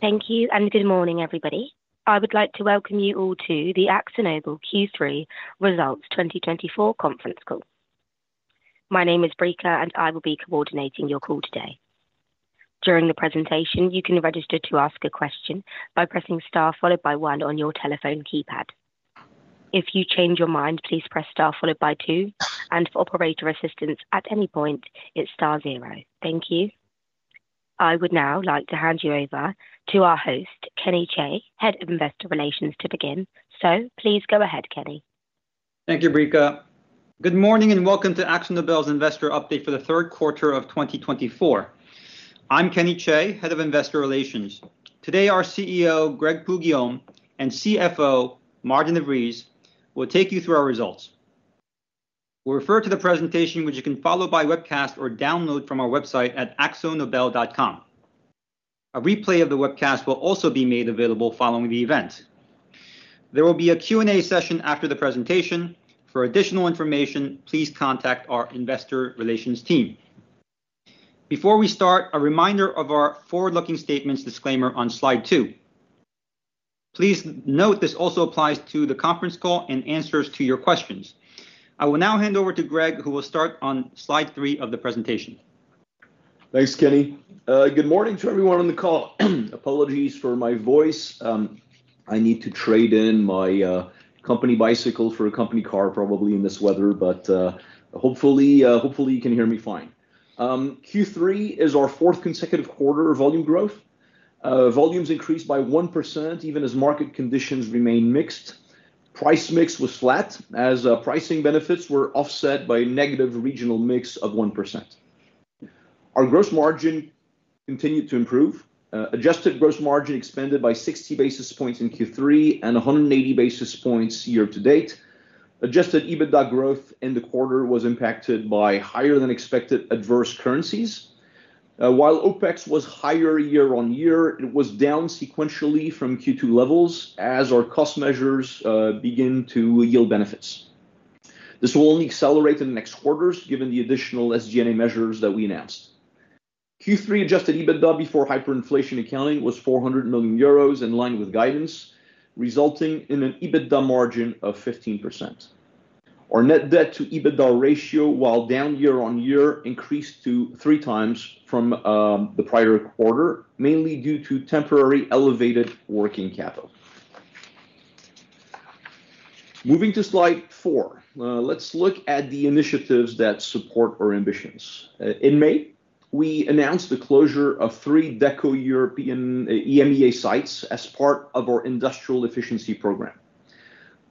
Thank you, and good morning, everybody. I would like to welcome you all to the AkzoNobel Q3 Results 2024 conference call. My name is Brika, and I will be coordinating your call today. During the presentation, you can register to ask a question by pressing star followed by one on your telephone keypad. If you change your mind, please press star followed by two, and for operator assistance at any point, it's star zero. Thank you. I would now like to hand you over to our host, Kenny Chae, Head of Investor Relations, to begin. So please go ahead, Kenny. Thank you, Brika. Good morning, and welcome to AkzoNobel's investor update for the third quarter of 2024. I'm Kenny Chae, Head of Investor Relations. Today, our CEO, Greg Poux-Guillaume, and CFO, Maarten de Vries, will take you through our results. We'll refer to the presentation, which you can follow by webcast or download from our website at akzonobel.com. A replay of the webcast will also be made available following the event. There will be a Q&A session after the presentation. For additional information, please contact our investor relations team. Before we start, a reminder of our forward-looking statements disclaimer on slide two. Please note this also applies to the conference call and answers to your questions. I will now hand over to Greg, who will start on slide three of the presentation. Thanks, Kenny. Good morning to everyone on the call. Apologies for my voice. I need to trade in my company bicycle for a company car, probably in this weather, but hopefully, hopefully you can hear me fine. Q3 is our fourth consecutive quarter of volume growth. Volumes increased by 1%, even as market conditions remain mixed. Price mix was flat, as pricing benefits were offset by a negative regional mix of 1%. Our gross margin continued to improve. Adjusted gross margin expanded by 60 basis points in Q3 and 180 basis points year to date. Adjusted EBITDA growth in the quarter was impacted by higher-than-expected adverse currencies. While OpEx was higher year-on-year, it was down sequentially from Q2 levels as our cost measures begin to yield benefits. This will only accelerate in the next quarters, given the additional SG&A measures that we announced. Q3 adjusted EBITDA before hyperinflation accounting was 400 million euros, in line with guidance, resulting in an EBITDA margin of 15%. Our net debt to EBITDA ratio, while down year-on-year, increased to three times from the prior quarter, mainly due to temporary elevated working capital. Moving to slide four. Let's look at the initiatives that support our ambitions. In May, we announced the closure of three Deco European EMEA sites as part of our industrial efficiency program.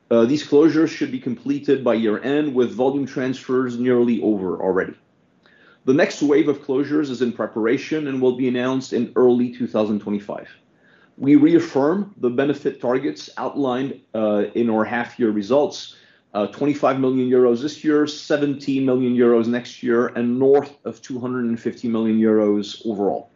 These closures should be completed by year-end, with volume transfers nearly over already. The next wave of closures is in preparation and will be announced in early 2025. We reaffirm the benefit targets outlined in our half-year results, 25 million euros this year, 17 million euros next year, and north of 250 million euros overall.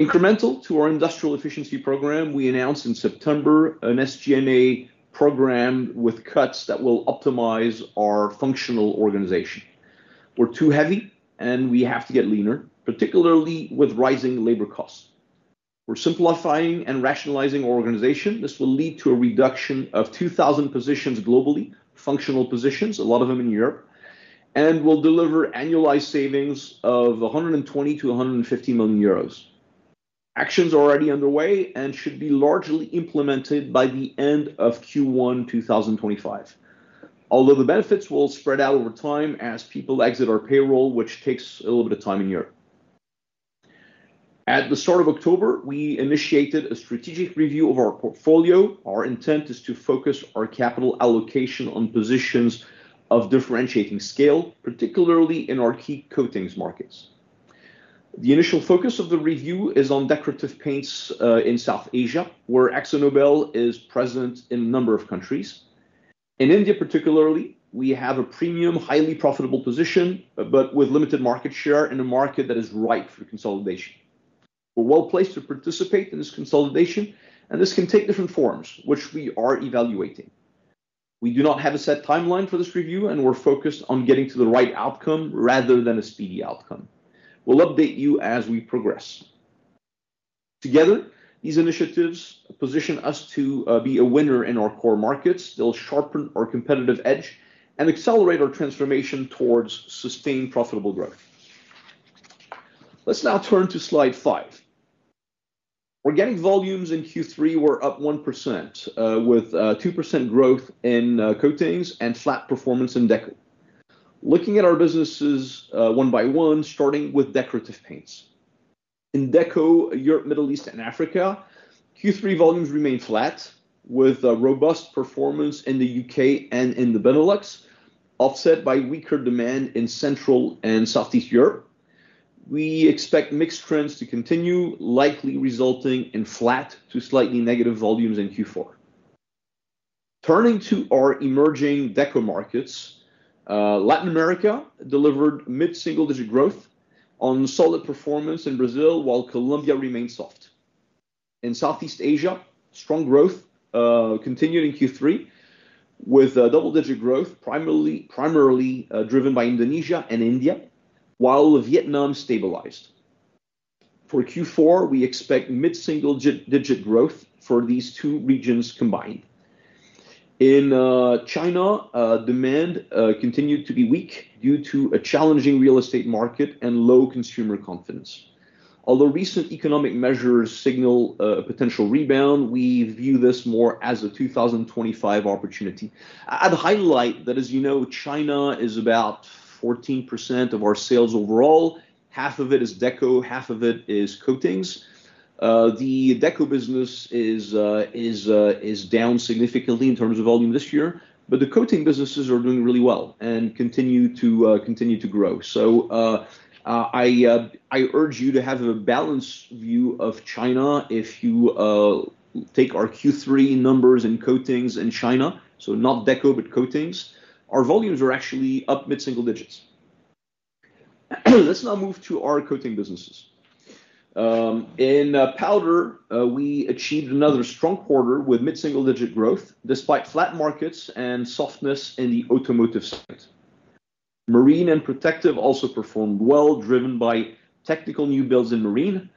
Incremental to our industrial efficiency program, we announced in September an SG&A program with cuts that will optimize our functional organization. We're too heavy, and we have to get leaner, particularly with rising labor costs. We're simplifying and rationalizing our organization. This will lead to a reduction of 2,000 positions globally, functional positions, a lot of them in Europe, and will deliver annualized savings of 120-150 million euros. Actions are already underway and should be largely implemented by the end of Q1 2025, although the benefits will spread out over time as people exit our payroll, which takes a little bit of time in Europe. At the start of October, we initiated a strategic review of our portfolio. Our intent is to focus our capital allocation on positions of differentiating scale, particularly in our key coatings markets. The initial focus of the review is on Decorative paints in South Asia, where AkzoNobel is present in a number of countries. In India, particularly, we have a premium, highly profitable position, but with limited market share in a market that is ripe for consolidation. We're well-placed to participate in this consolidation, and this can take different forms, which we are evaluating. We do not have a set timeline for this review, and we're focused on getting to the right outcome rather than a speedy outcome. We'll update you as we progress. Together, these initiatives position us to be a winner in our core markets. They'll sharpen our competitive edge and accelerate our transformation towards sustained profitable growth. Let's now turn to slide five. Organic volumes in Q3 were up 1%, with 2% growth in coatings and flat performance in Deco. Looking at our businesses one by one, starting with Decorative paints. In Deco, Europe, Middle East, and Africa, Q3 volumes remained flat, with a robust performance in the UK and in the Benelux, offset by weaker demand in Central and Southeast Europe. We expect mixed trends to continue, likely resulting in flat to slightly negative volumes in Q4. Turning to our emerging Deco markets, Latin America delivered mid-single-digit growth on solid performance in Brazil, while Colombia remained soft. In Southeast Asia, strong growth continued in Q3 with double-digit growth, primarily driven by Indonesia and India, while Vietnam stabilized. For Q4, we expect mid-single-digit growth for these two regions combined. In China, demand continued to be weak due to a challenging real estate market and low consumer confidence. Although recent economic measures signal a potential rebound, we view this more as a 2025 opportunity. I'd highlight that, as you know, China is about 14% of our sales overall. Half of it is Deco, half of it is coatings. The Deco business is down significantly in terms of volume this year, but the coating businesses are doing really well and continue to grow. So, I urge you to have a balanced view of China. If you take our Q3 numbers in coatings in China, so not Deco, but coatings, our volumes are actually up mid-single digits. Let's now move to our coating businesses. In powder, we achieved another strong quarter with mid-single-digit growth, despite flat markets and softness in the automotive segment. Marine and protective also performed well, driven by technical new builds in marine,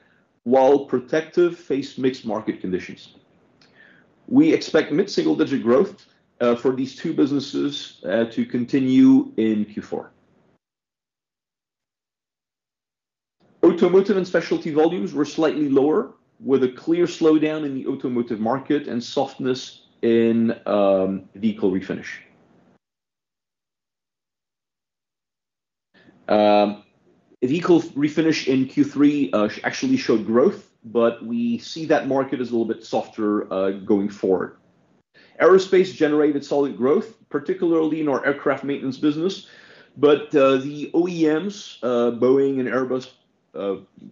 while protective faced mixed market conditions. We expect mid-single-digit growth for these two businesses to continue in Q4. Automotive and specialty volumes were slightly lower, with a clear slowdown in the automotive market and softness in vehicle refinish. The vehicle refinish in Q3 actually showed growth, but we see that market as a little bit softer going forward. Aerospace generated solid growth, particularly in our aircraft maintenance business, but the OEMs, Boeing and Airbus,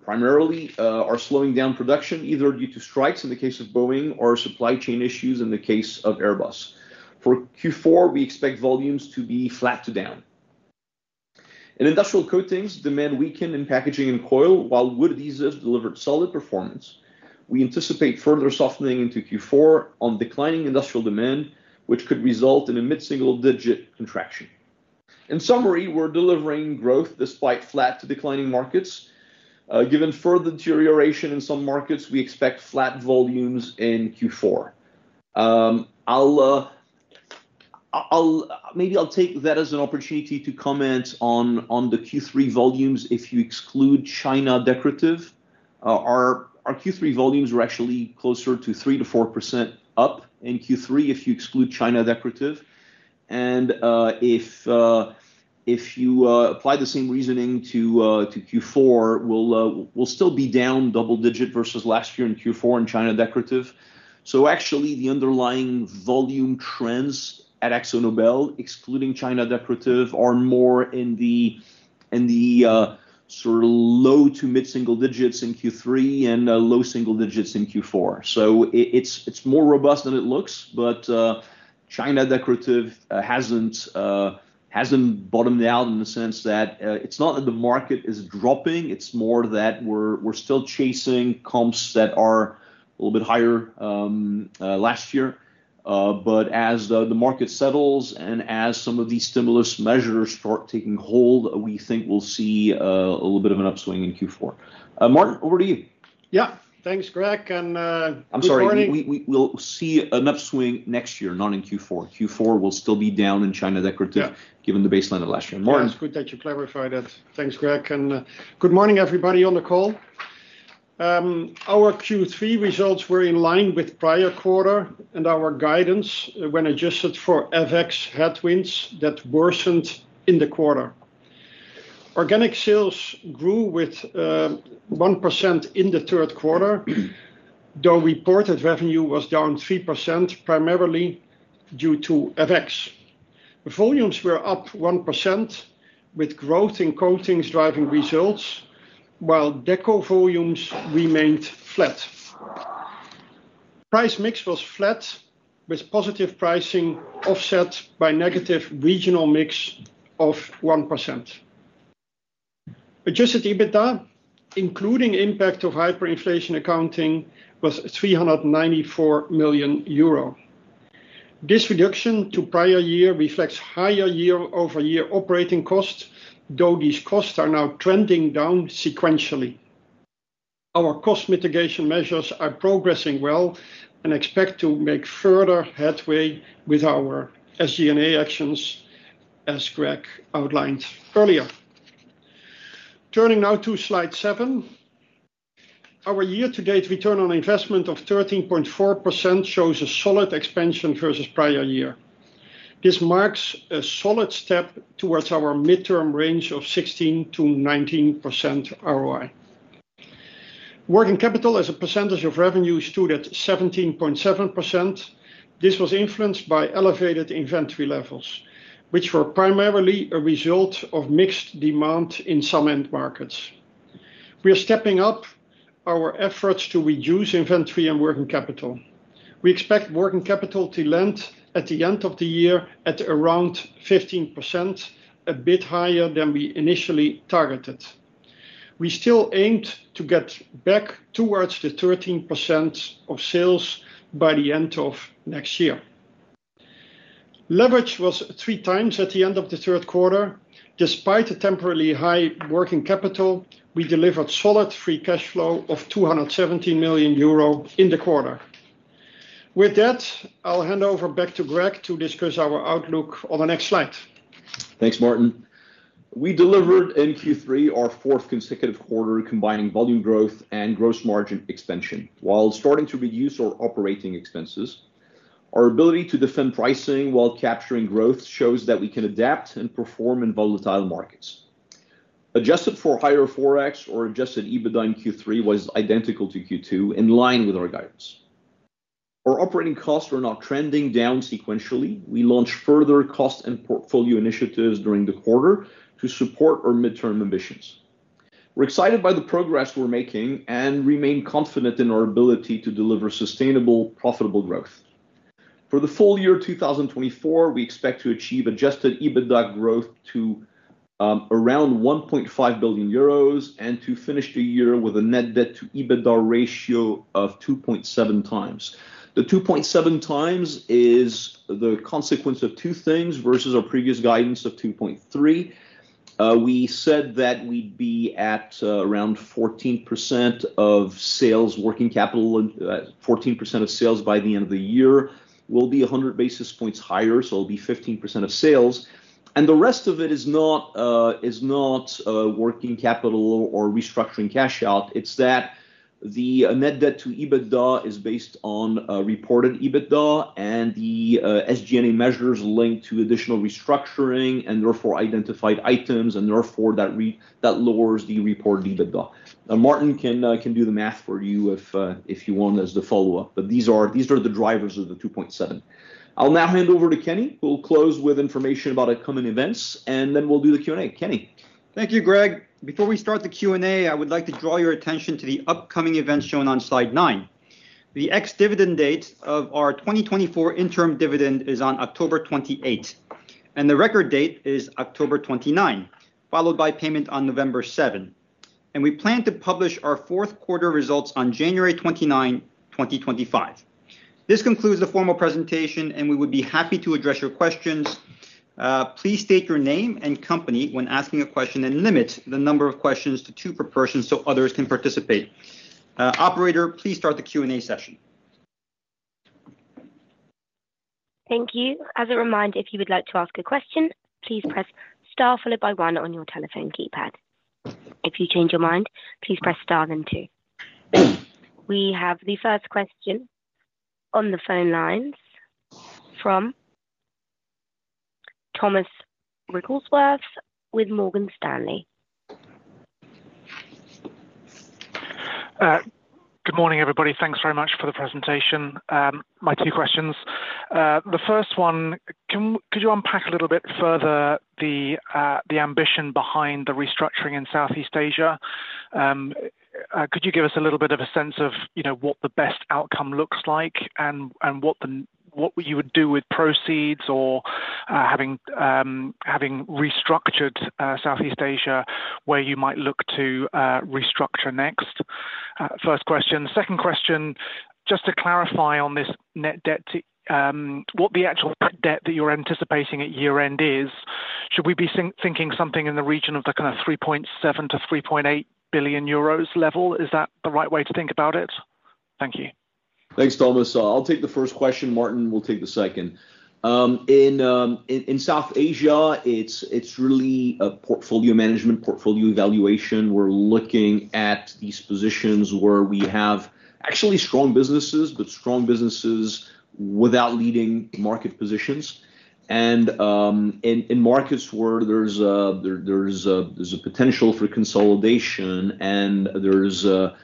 primarily, are slowing down production, either due to strikes in the case of Boeing or supply chain issues in the case of Airbus. For Q4, we expect volumes to be flat to down. In industrial coatings, demand weakened in packaging and coil, while wood adhesives delivered solid performance. We anticipate further softening into Q4 on declining industrial demand, which could result in a mid-single-digit contraction. In summary, we're delivering growth despite flat to declining markets. Given further deterioration in some markets, we expect flat volumes in Q4. Maybe I'll take that as an opportunity to comment on the Q3 volumes if you exclude China Decorative. Our Q3 volumes were actually closer to 3%-4% up in Q3, if you exclude China Decorative. If you apply the same reasoning to Q4, we'll still be down double-digit versus last year in Q4 in China Decorative. So actually, the underlying volume trends at AkzoNobel, excluding China Decorative, are more in the sort of low to mid-single digits in Q3 and low single digits in Q4. So it's more robust than it looks, but China Decorative hasn't bottomed out in the sense that it's not that the market is dropping. It's more that we're still chasing comps that are a little bit higher last year. But as the market settles and as some of these stimulus measures start taking hold, we think we'll see a little bit of an upswing in Q4. Maarten, over to you. Yeah. Thanks, Greg, and good morning. I'm sorry. We'll see an upswing next year, not in Q4. Q4 will still be down in China Decorative- Yeah. given the baseline of last year. Maarten? Yeah, it's good that you clarified that. Thanks, Greg, and good morning, everybody on the call. Our Q3 results were in line with prior quarter and our guidance when adjusted for FX headwinds that worsened in the quarter. Organic sales grew with 1% in the third quarter, though reported revenue was down 3%, primarily due to FX. The volumes were up 1%, with growth in coatings driving results, while Deco volumes remained flat. Price mix was flat, with positive pricing offset by negative regional mix of 1%. Adjusted EBITDA, including impact of hyperinflation accounting, was 394 million euro. This reduction to prior year reflects higher year-over-year operating costs, though these costs are now trending down sequentially. Our cost mitigation measures are progressing well and expect to make further headway with our SG&A actions, as Greg outlined earlier. Turning now to slide seven. Our year-to-date return on investment of 13.4% shows a solid expansion versus prior year. This marks a solid step towards our midterm range of 16%-19% ROI. Working capital as a percentage of revenue stood at 17.7%. This was influenced by elevated inventory levels, which were primarily a result of mixed demand in some end markets. We are stepping up our efforts to reduce inventory and working capital. We expect working capital to land at the end of the year at around 15%, a bit higher than we initially targeted. We still aimed to get back towards the 13% of sales by the end of next year. Leverage was three times at the end of the third quarter. Despite the temporarily high working capital, we delivered solid free cash flow of 270 million euro in the quarter. With that, I'll hand over back to Greg to discuss our outlook on the next slide. Thanks, Maarten. We delivered in Q3, our fourth consecutive quarter, combining volume growth and gross margin expansion, while starting to reduce our operating expenses. Our ability to defend pricing while capturing growth shows that we can adapt and perform in volatile markets. Adjusted for higher Forex, our adjusted EBITDA in Q3 was identical to Q2, in line with our guidance. Our operating costs are now trending down sequentially. We launched further cost and portfolio initiatives during the quarter to support our midterm ambitions. We're excited by the progress we're making and remain confident in our ability to deliver sustainable, profitable growth. For the full year of 2024, we expect to achieve adjusted EBITDA growth to around 1.5 billion euros, and to finish the year with a net debt to EBITDA ratio of 2.7x. The 2.7x is the consequence of two things versus our previous guidance of 2.3x. We said that we'd be at around 14% of sales working capital and 14% of sales by the end of the year will be 100 basis points higher, so it'll be 15% of sales. The rest of it is not working capital or restructuring cash out. It's that the net debt to EBITDA is based on reported EBITDA and the SG&A measures linked to additional restructuring and therefore identified items, and therefore that lowers the reported EBITDA. Now, Maarten can do the math for you if you want as the follow-up, but these are the drivers of the 2.7x. I'll now hand over to Kenny, who will close with information about upcoming events, and then we'll do the Q&A. Kenny? Thank you, Greg. Before we start the Q&A, I would like to draw your attention to the upcoming events shown on slide nine. The ex-dividend date of our 2024 interim dividend is on October 28, and the record date is October 29, followed by payment on November 7, and we plan to publish our fourth quarter results on January 29, 2025. This concludes the formal presentation, and we would be happy to address your questions. Please state your name and company when asking a question, and limit the number of questions to two per person so others can participate. Operator, please start the Q&A session. Thank you. As a reminder, if you would like to ask a question, please press star followed by one on your telephone keypad. If you change your mind, please press star, then two. We have the first question on the phone lines from Thomas Wrigglesworth with Morgan Stanley. Good morning, everybody. Thanks very much for the presentation. My two questions. The first one, could you unpack a little bit further the ambition behind the restructuring in Southeast Asia? Could you give us a little bit of a sense of, you know, what the best outcome looks like and what you would do with proceeds or, having restructured Southeast Asia, where you might look to restructure next? First question. The second question, just to clarify on this net debt to what the actual net debt that you are anticipating at year-end is, should we be thinking something in the region of the kind of 3.7-3.8 billion euros level? Is that the right way to think about it? Thank you. Thanks, Thomas. I'll take the first question, Maarten will take the second. In South Asia, it's really a portfolio management, portfolio evaluation. We're looking at these positions where we have actually strong businesses, but strong businesses without leading market positions. And in markets where there's a potential for consolidation and there's a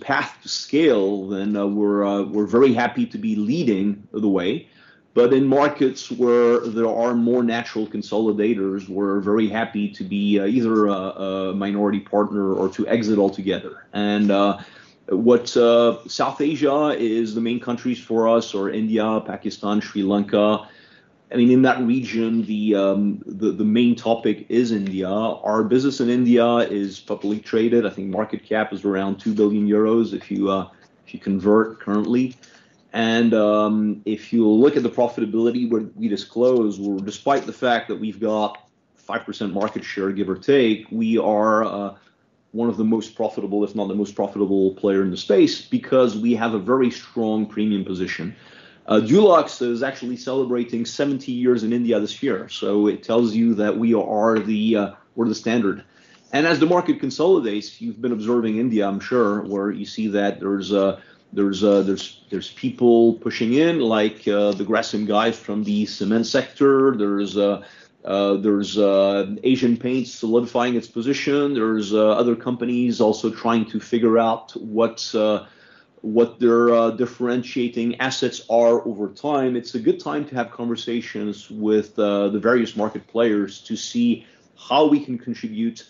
path to scale, then we're very happy to be leading the way. But in markets where there are more natural consolidators, we're very happy to be either a minority partner or to exit altogether. And South Asia, the main countries for us are India, Pakistan, Sri Lanka. I mean, in that region, the main topic is India. Our business in India is publicly traded. I think market cap is around 2 billion euros, if you, if you convert currently. And, if you look at the profitability where we disclose, well, despite the fact that we've got 5% market share, give or take, we are, one of the most profitable, if not the most profitable player in the space, because we have a very strong premium position. Dulux is actually celebrating 70 years in India this year, so it tells you that we are the, we're the standard. And as the market consolidates, you've been observing India, I'm sure, where you see that there's people pushing in, like, the Grasim and guys from the cement sector. There's Asian Paints solidifying its position. There's other companies also trying to figure out what their differentiating assets are over time. It's a good time to have conversations with the various market players to see how we can contribute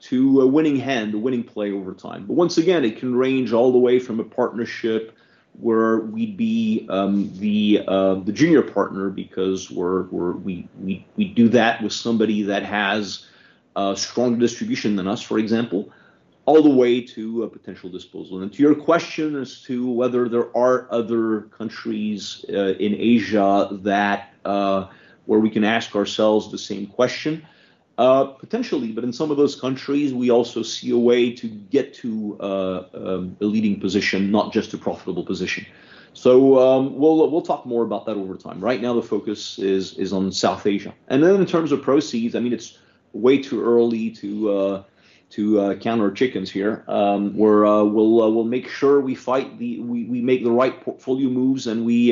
to a winning hand, a winning play over time. But once again, it can range all the way from a partnership where we'd be the junior partner, because we do that with somebody that has a stronger distribution than us, for example, all the way to a potential disposal. And to your question as to whether there are other countries in Asia that where we can ask ourselves the same question, potentially, but in some of those countries, we also see a way to get to a leading position, not just a profitable position. So, we'll talk more about that over time. Right now, the focus is on South Asia. And then in terms of proceeds, I mean, it's way too early to count our chickens here. We'll make sure we make the right portfolio moves, and we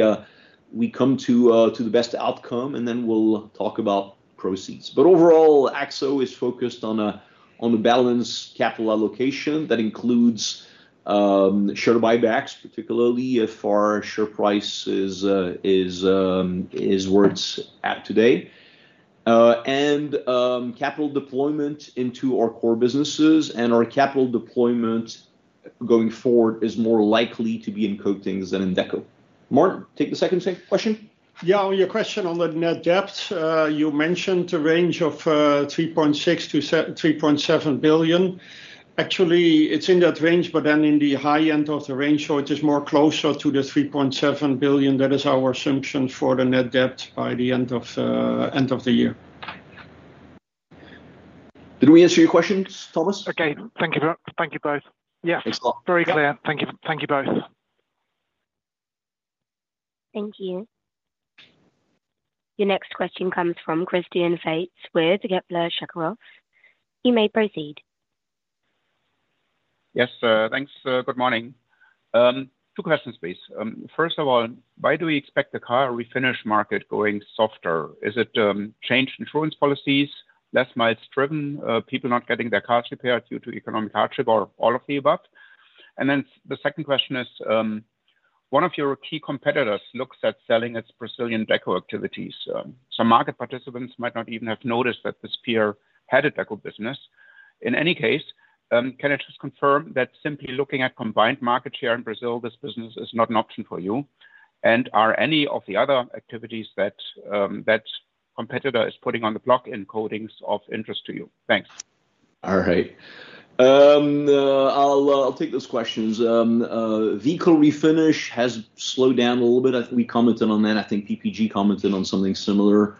come to the best outcome, and then we'll talk about proceeds. But overall, Akzo is focused on a balanced capital allocation that includes share buybacks, particularly if our share price is where it's at today. And capital deployment into our core businesses and our capital deployment going forward is more likely to be in Coatings than in Deco. Maarten, take the second question? Yeah, on your question on the net debt, you mentioned a range of 3.6-3.7 billion. Actually, it's in that range, but then in the high end of the range, so it is more closer to the 3.7 billion. That is our assumption for the net debt by the end of the year. Did we answer your questions, Thomas? Okay. Thank you both. Yeah. Thanks a lot. Very clear. Thank you. Thank you both. Thank you. Your next question comes from Christian Faitz with Kepler Cheuvreux. You may proceed. Yes, thanks, good morning. Two questions, please. First of all, why do we expect the car refinish market going softer? Is it changed insurance policies, less miles driven, people not getting their cars repaired due to economic hardship, or all of the above? And then the second question is, one of your key competitors looks at selling its Brazilian Deco activities. Some market participants might not even have noticed that this peer had a Deco business. In any case, can I just confirm that simply looking at combined market share in Brazil, this business is not an option for you? And are any of the other activities that that competitor is putting on the block in Coatings of interest to you? Thanks. All right. I'll take those questions. Vehicle refinish has slowed down a little bit. I think we commented on that, I think PPG commented on something similar.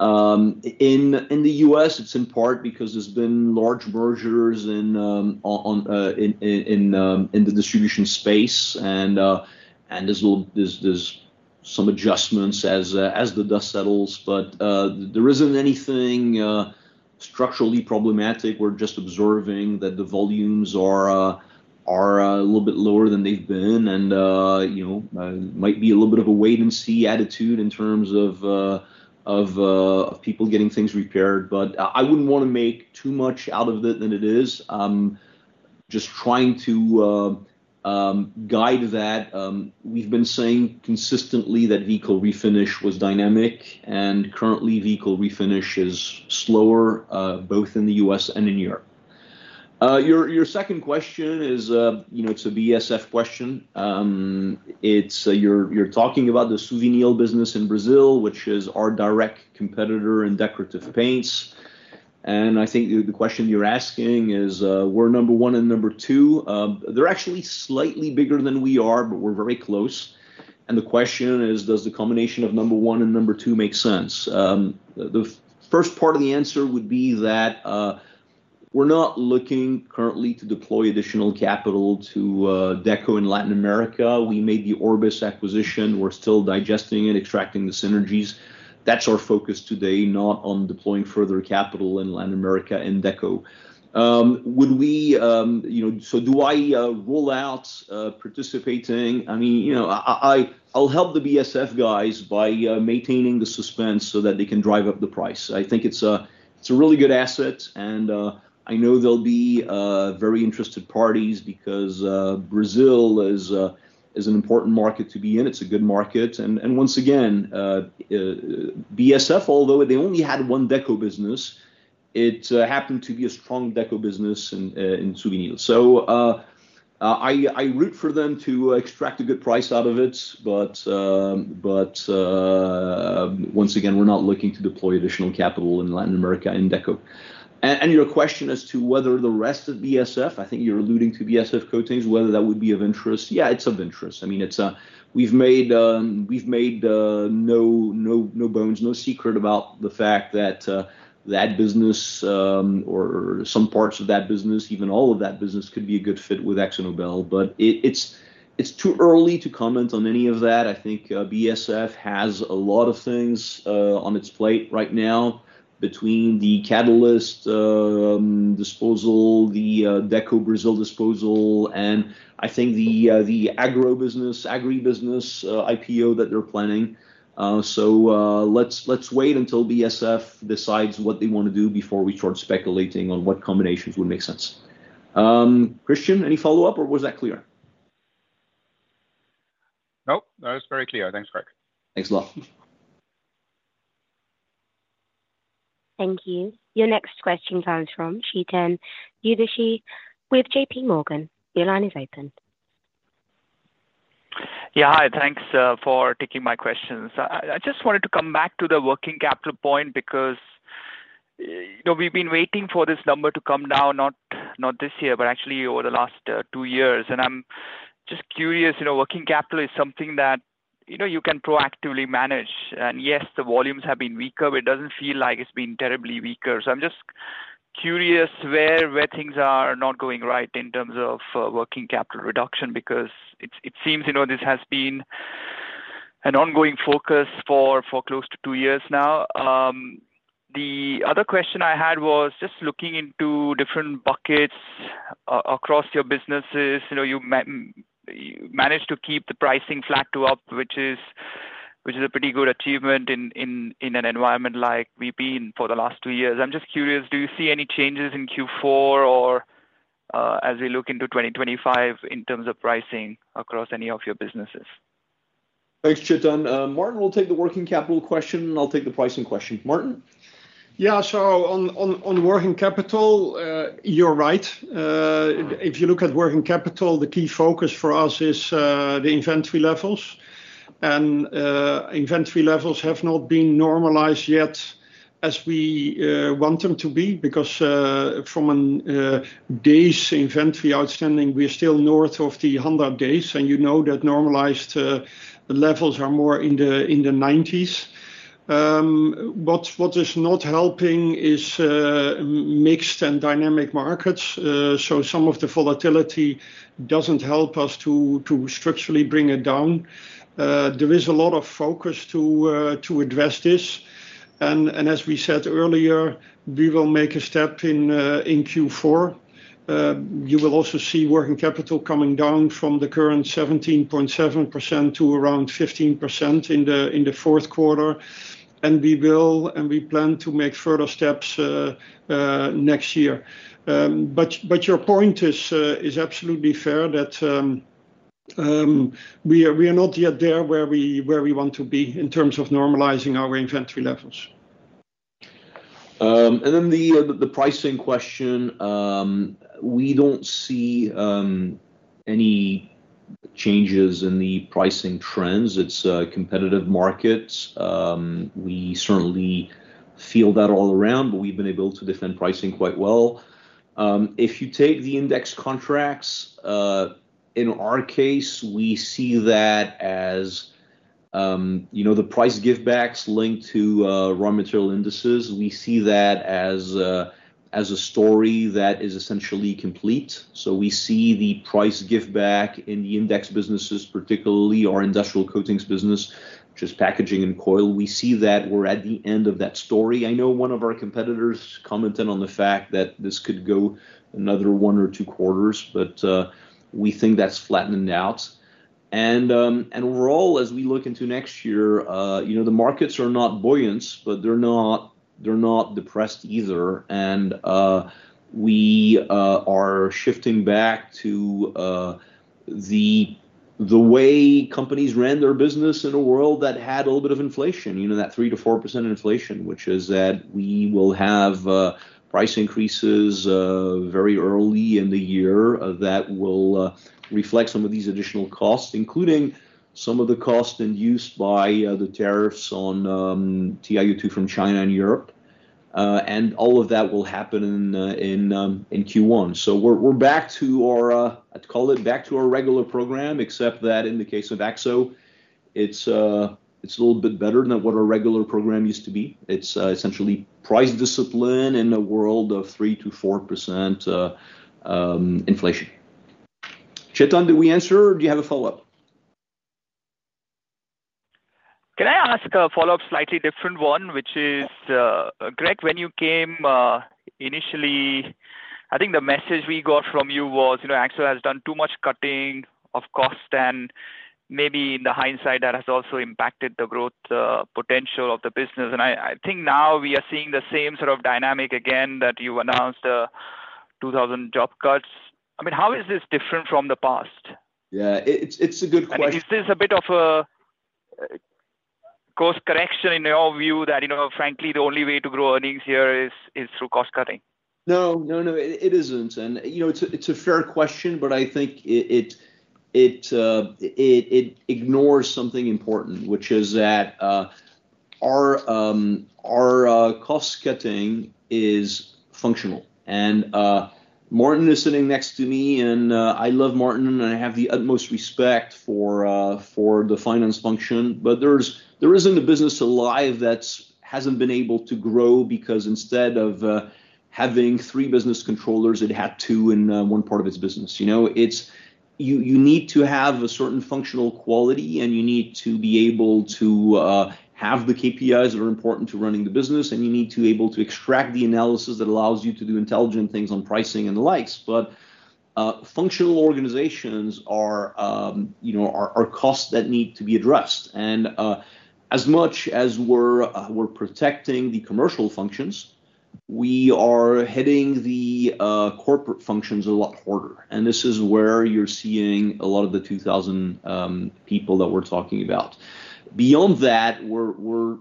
In the U.S., it's in part because there's been large mergers in the distribution space, and there's some adjustments as the dust settles. But there isn't anything structurally problematic. We're just observing that the volumes are a little bit lower than they've been. And you know, might be a little bit of a wait-and-see attitude in terms of people getting things repaired. But I wouldn't want to make too much out of it than it is. Just trying to guide that, we've been saying consistently that vehicle refinish was dynamic, and currently, vehicle refinish is slower, both in the U.S. and in Europe. Your second question is, you know, it's a BASF question. It's you're talking about the Suvinil business in Brazil, which is our direct competitor in Decorative paints. And I think the question you're asking is, we're number one and number two. The first part of the answer would be that, we're not looking currently to deploy additional capital to Deco in Latin America. We made the Orbis acquisition. We're still digesting it, extracting the synergies. That's our focus today, not on deploying further capital in Latin America in Deco. Would we, you know, so do I rule out participating? I mean, you know, I'll help the BASF guys by maintaining the suspense so that they can drive up the price. I think it's a really good asset, and I know there'll be very interested parties because Brazil is an important market to be in. It's a good market. And once again, BASF, although they only had one Deco business, it happened to be a strong Deco business in Suvinil. So, I root for them to extract a good price out of it, but once again, we're not looking to deploy additional capital in Latin America in Deco. Your question as to whether the rest of BASF, I think you're alluding to BASF Coatings, whether that would be of interest. Yeah, it's of interest. I mean, it's... We've made no bones, no secret about the fact that that business or some parts of that business, even all of that business, could be a good fit with AkzoNobel, but it's too early to comment on any of that. I think BASF has a lot of things on its plate right now, between the Catalyst disposal, the Deco Brazil disposal, and I think the agro business, agri business IPO that they're planning. So let's wait until BASF decides what they want to do before we start speculating on what combinations would make sense. Christian, any follow-up, or was that clear? Nope, that was very clear. Thanks, Greg. Thanks a lot. Thank you. Your next question comes from Chetan Udeshi with JPMorgan. Your line is open. Yeah, hi. Thanks for taking my questions. I just wanted to come back to the working capital point because, you know, we've been waiting for this number to come down, not this year, but actually over the last two years, and I'm just curious, you know, working capital is something that, you know, you can proactively manage, and yes, the volumes have been weaker, but it doesn't feel like it's been terribly weaker, so I'm just curious where things are not going right in terms of working capital reduction, because it seems, you know, this has been an ongoing focus for close to two years now. The other question I had was just looking into different buckets across your businesses. You know, you managed to keep the pricing flat to up, which is, which is a pretty good achievement in an environment like we've been for the last two years. I'm just curious, do you see any changes in Q4 or as we look into 2025 in terms of pricing across any of your businesses? Thanks, Chetan. Maarten will take the working capital question, and I'll take the pricing question. Maarten? Yeah. So on working capital, you're right. If you look at working capital, the key focus for us is the inventory levels. And inventory levels have not been normalized yet as we want them to be because from a days inventory outstanding, we're still north of the 100 days, and you know that normalized levels are more in the 90s. What is not helping is mixed and dynamic markets. So some of the volatility doesn't help us to structurally bring it down. There is a lot of focus to address this, and as we said earlier, we will make a step in Q4. You will also see working capital coming down from the current 17.7% to around 15% in the fourth quarter, and we plan to make further steps next year. But your point is absolutely fair, that we are not yet there where we want to be in terms of normalizing our inventory levels. And then the pricing question, we don't see any changes in the pricing trends. It's competitive markets. We certainly feel that all around, but we've been able to defend pricing quite well. If you take the index contracts, in our case, we see that as you know, the price give backs linked to raw material indices. We see that as a story that is essentially complete. So we see the price give back in the index businesses, particularly our industrial coatings business, which is packaging and coil. We see that we're at the end of that story. I know one of our competitors commented on the fact that this could go another one or two quarters, but we think that's flattening out. We're all as we look into next year, you know, the markets are not buoyant, but they're not depressed either. We are shifting back to the way companies ran their business in a world that had a little bit of inflation, you know, that 3%-4% inflation, which is what we will have. Price increases very early in the year that will reflect some of these additional costs, including some of the cost increases by the tariffs on TiO2 from China and Europe. And all of that will happen in Q1. So we're back to our regular program, except that in the case of AkzoNobel, it's a little bit better than what our regular program used to be. It's essentially price discipline in a world of 3%-4% inflation. Chetan, did we answer, or do you have a follow-up? Can I ask a follow-up, slightly different one, which is, Greg, when you came, initially, I think the message we got from you was, you know, Akzo has done too much cutting of cost, and maybe in the hindsight, that has also impacted the growth, potential of the business. And I think now we are seeing the same sort of dynamic again, that you've announced, 2,000 job cuts. I mean, how is this different from the past? Yeah, it's a good question. Is this a bit of a course correction in your view, that, you know, frankly, the only way to grow earnings here is through cost cutting? No, no, no, it isn't. And, you know, it's a fair question, but I think it ignores something important, which is that our cost cutting is functional. And, Maarten is sitting next to me, and I love Maarten, and I have the utmost respect for the finance function, but there's, there isn't a business alive that's hasn't been able to grow because instead of having three business controllers, it had two in one part of its business. You know, it's. You need to have a certain functional quality, and you need to be able to have the KPIs that are important to running the business, and you need to able to extract the analysis that allows you to do intelligent things on pricing and the likes, but. Functional organizations are, you know, costs that need to be addressed. And, as much as we're protecting the commercial functions, we are hitting the corporate functions a lot harder, and this is where you're seeing a lot of the 2,000 people that we're talking about. Beyond that, we're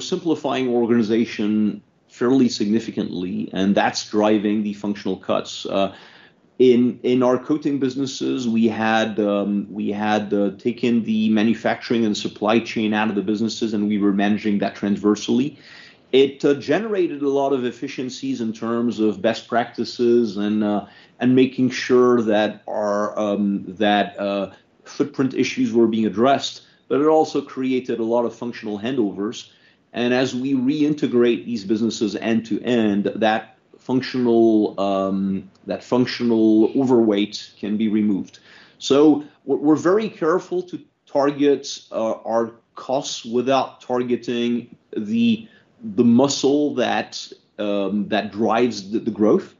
simplifying organization fairly significantly, and that's driving the functional cuts. In our coating businesses, we had taken the manufacturing and supply chain out of the businesses, and we were managing that transversely. It generated a lot of efficiencies in terms of best practices and making sure that our footprint issues were being addressed, but it also created a lot of functional handovers, and as we reintegrate these businesses end to end, that functional overweight can be removed. So we're very careful to target our costs without targeting the muscle that drives the growth.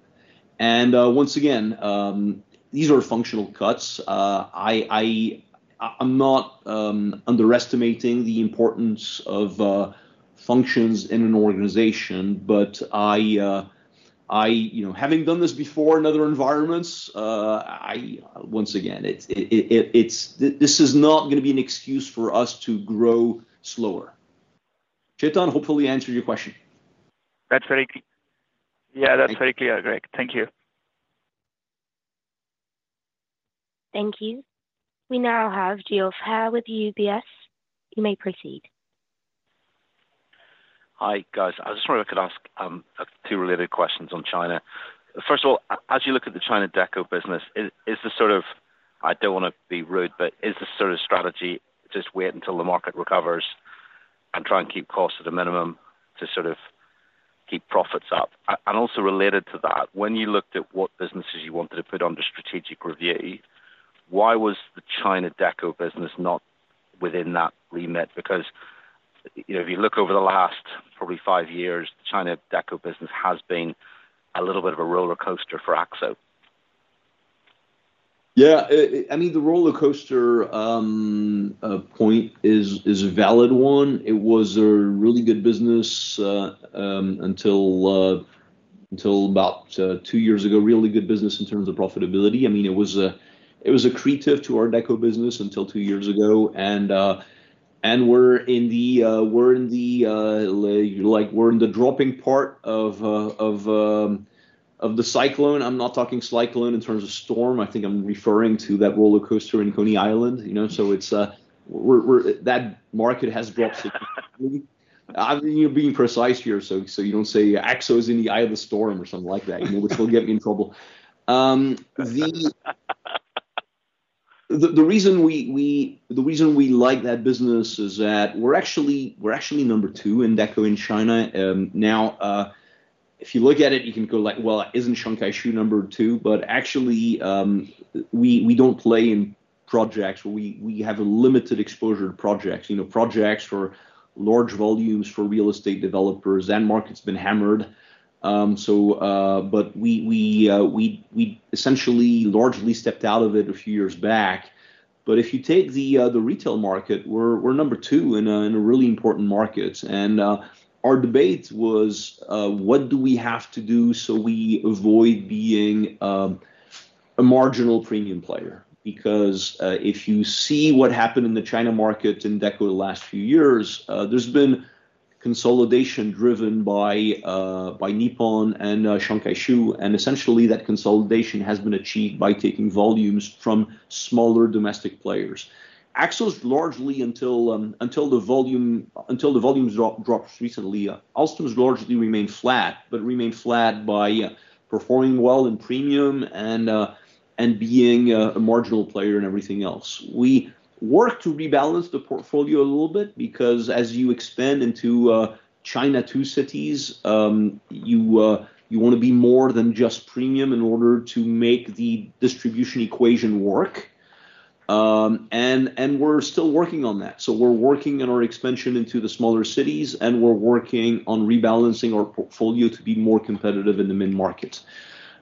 And once again, these are functional cuts. I'm not underestimating the importance of functions in an organization, but I, you know, having done this before in other environments, I once again, this is not going to be an excuse for us to grow slower. Chetan, hopefully I answered your question. That's very clear. Yeah, that's very clear, Greg. Thank you. Thank you. We now have Geoff Haire with UBS. You may proceed. Hi, guys. I was just wondering if I could ask two related questions on China. First of all, as you look at the China Deco business, is this sort of strategy just wait until the market recovers and try and keep costs at a minimum to sort of keep profits up? And also related to that, when you looked at what businesses you wanted to put under strategic review, why was the China Deco business not within that remit? Because, you know, if you look over the last probably five years, China Deco business has been a little bit of a roller coaster for AkzoNobel. Yeah. I mean, the roller coaster point is a valid one. It was a really good business until about two years ago, really good business in terms of profitability. I mean, it was accretive to our Deco business until two years ago, and, like, we're in the dropping part of the cyclone. I'm not talking cyclone in terms of storm. I think I'm referring to that roller coaster in Coney Island, you know, so it's, we're. That market has dropped significantly. You know, being precise here, so you don't say Akzo is in the eye of the storm or something like that, you know, which will get me in trouble. The reason we like that business is that we're actually number two in Deco in China. Now, if you look at it, you can go like, "Well, isn't Sankeshu number two?" But actually, we don't play in projects. We have a limited exposure to projects. You know, projects for large volumes for real estate developers, that market's been hammered. So, but we essentially largely stepped out of it a few years back. But if you take the retail market, we're number two in a really important market. Our debate was what do we have to do so we avoid being a marginal premium player? Because, if you see what happened in the China market in Deco the last few years, there's been consolidation driven by Nippon and Sankeshu, and essentially that consolidation has been achieved by taking volumes from smaller domestic players. Akzo largely until the volumes dropped recently, Akzo has largely remained flat, but remained flat by performing well in premium and being a marginal player in everything else. We worked to rebalance the portfolio a little bit because as you expand into China's Tier 2 cities, you want to be more than just premium in order to make the distribution equation work. And we're still working on that. So we're working on our expansion into the smaller cities, and we're working on rebalancing our portfolio to be more competitive in the mid-market.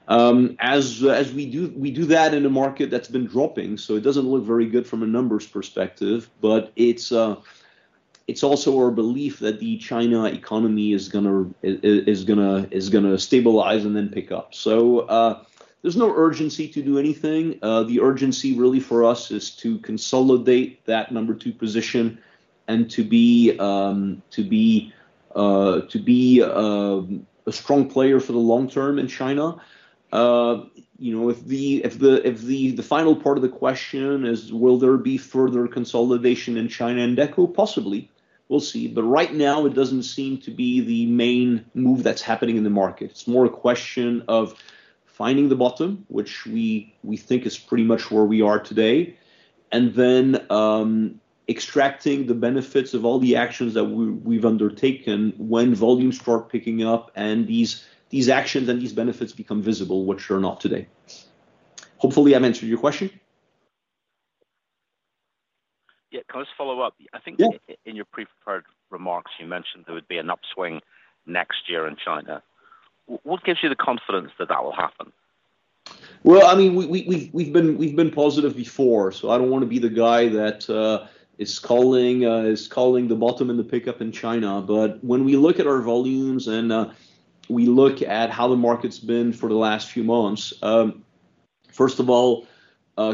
As we do that in a market that's been dropping, so it doesn't look very good from a numbers perspective, but it's also our belief that the China economy is gonna stabilize and then pick up. So, there's no urgency to do anything. The urgency really for us is to consolidate that number two position and to be a strong player for the long term in China. You know, if the final part of the question is, will there be further consolidation in China and Deco? Possibly. We'll see. But right now, it doesn't seem to be the main move that's happening in the market. It's more a question of finding the bottom, which we think is pretty much where we are today, and then extracting the benefits of all the actions that we've undertaken when volumes start picking up and these actions and these benefits become visible, which are not today. Hopefully, I've answered your question? Yeah, can I just follow up? I think- Yeah. In your pre-prepared remarks, you mentioned there would be an upswing next year in China. What gives you the confidence that that will happen? I mean, we've been positive before, so I don't wanna be the guy that is calling the bottom in the pickup in China. But when we look at our volumes and we look at how the market's been for the last few months, first of all,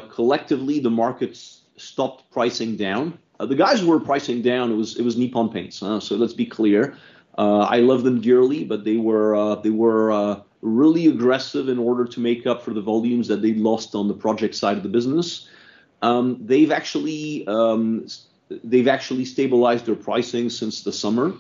collectively, the market's stopped pricing down. The guys who were pricing down, it was Nippon Paint, so let's be clear. I love them dearly, but they were really aggressive in order to make up for the volumes that they'd lost on the project side of the business. They've actually stabilized their pricing since the summer,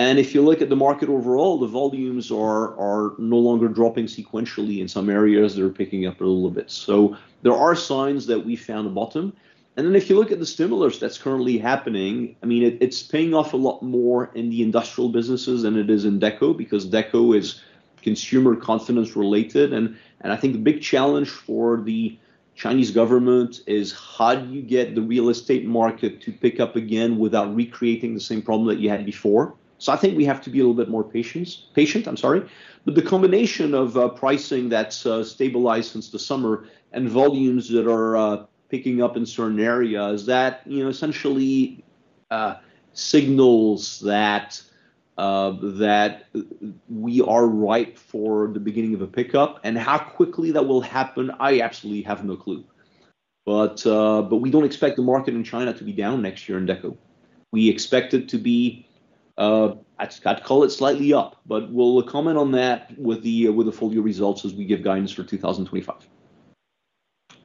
and if you look at the market overall, the volumes are no longer dropping sequentially. In some areas, they're picking up a little bit. So there are signs that we found a bottom, and then if you look at the stimulus that's currently happening, I mean, it's paying off a lot more in the industrial businesses than it is in Deco, because Deco is consumer confidence related. And I think the big challenge for the Chinese government is how do you get the real estate market to pick up again without recreating the same problem that you had before? So I think we have to be a little bit more patience-- patient, I'm sorry. But the combination of pricing that's stabilized since the summer and volumes that are picking up in certain areas, that, you know, essentially signals that that we are ripe for the beginning of a pickup. And how quickly that will happen, I actually have no clue. But we don't expect the market in China to be down next year in Deco. We expect it to be, I'd call it slightly up, but we'll comment on that with the full year results as we give guidance for 2025.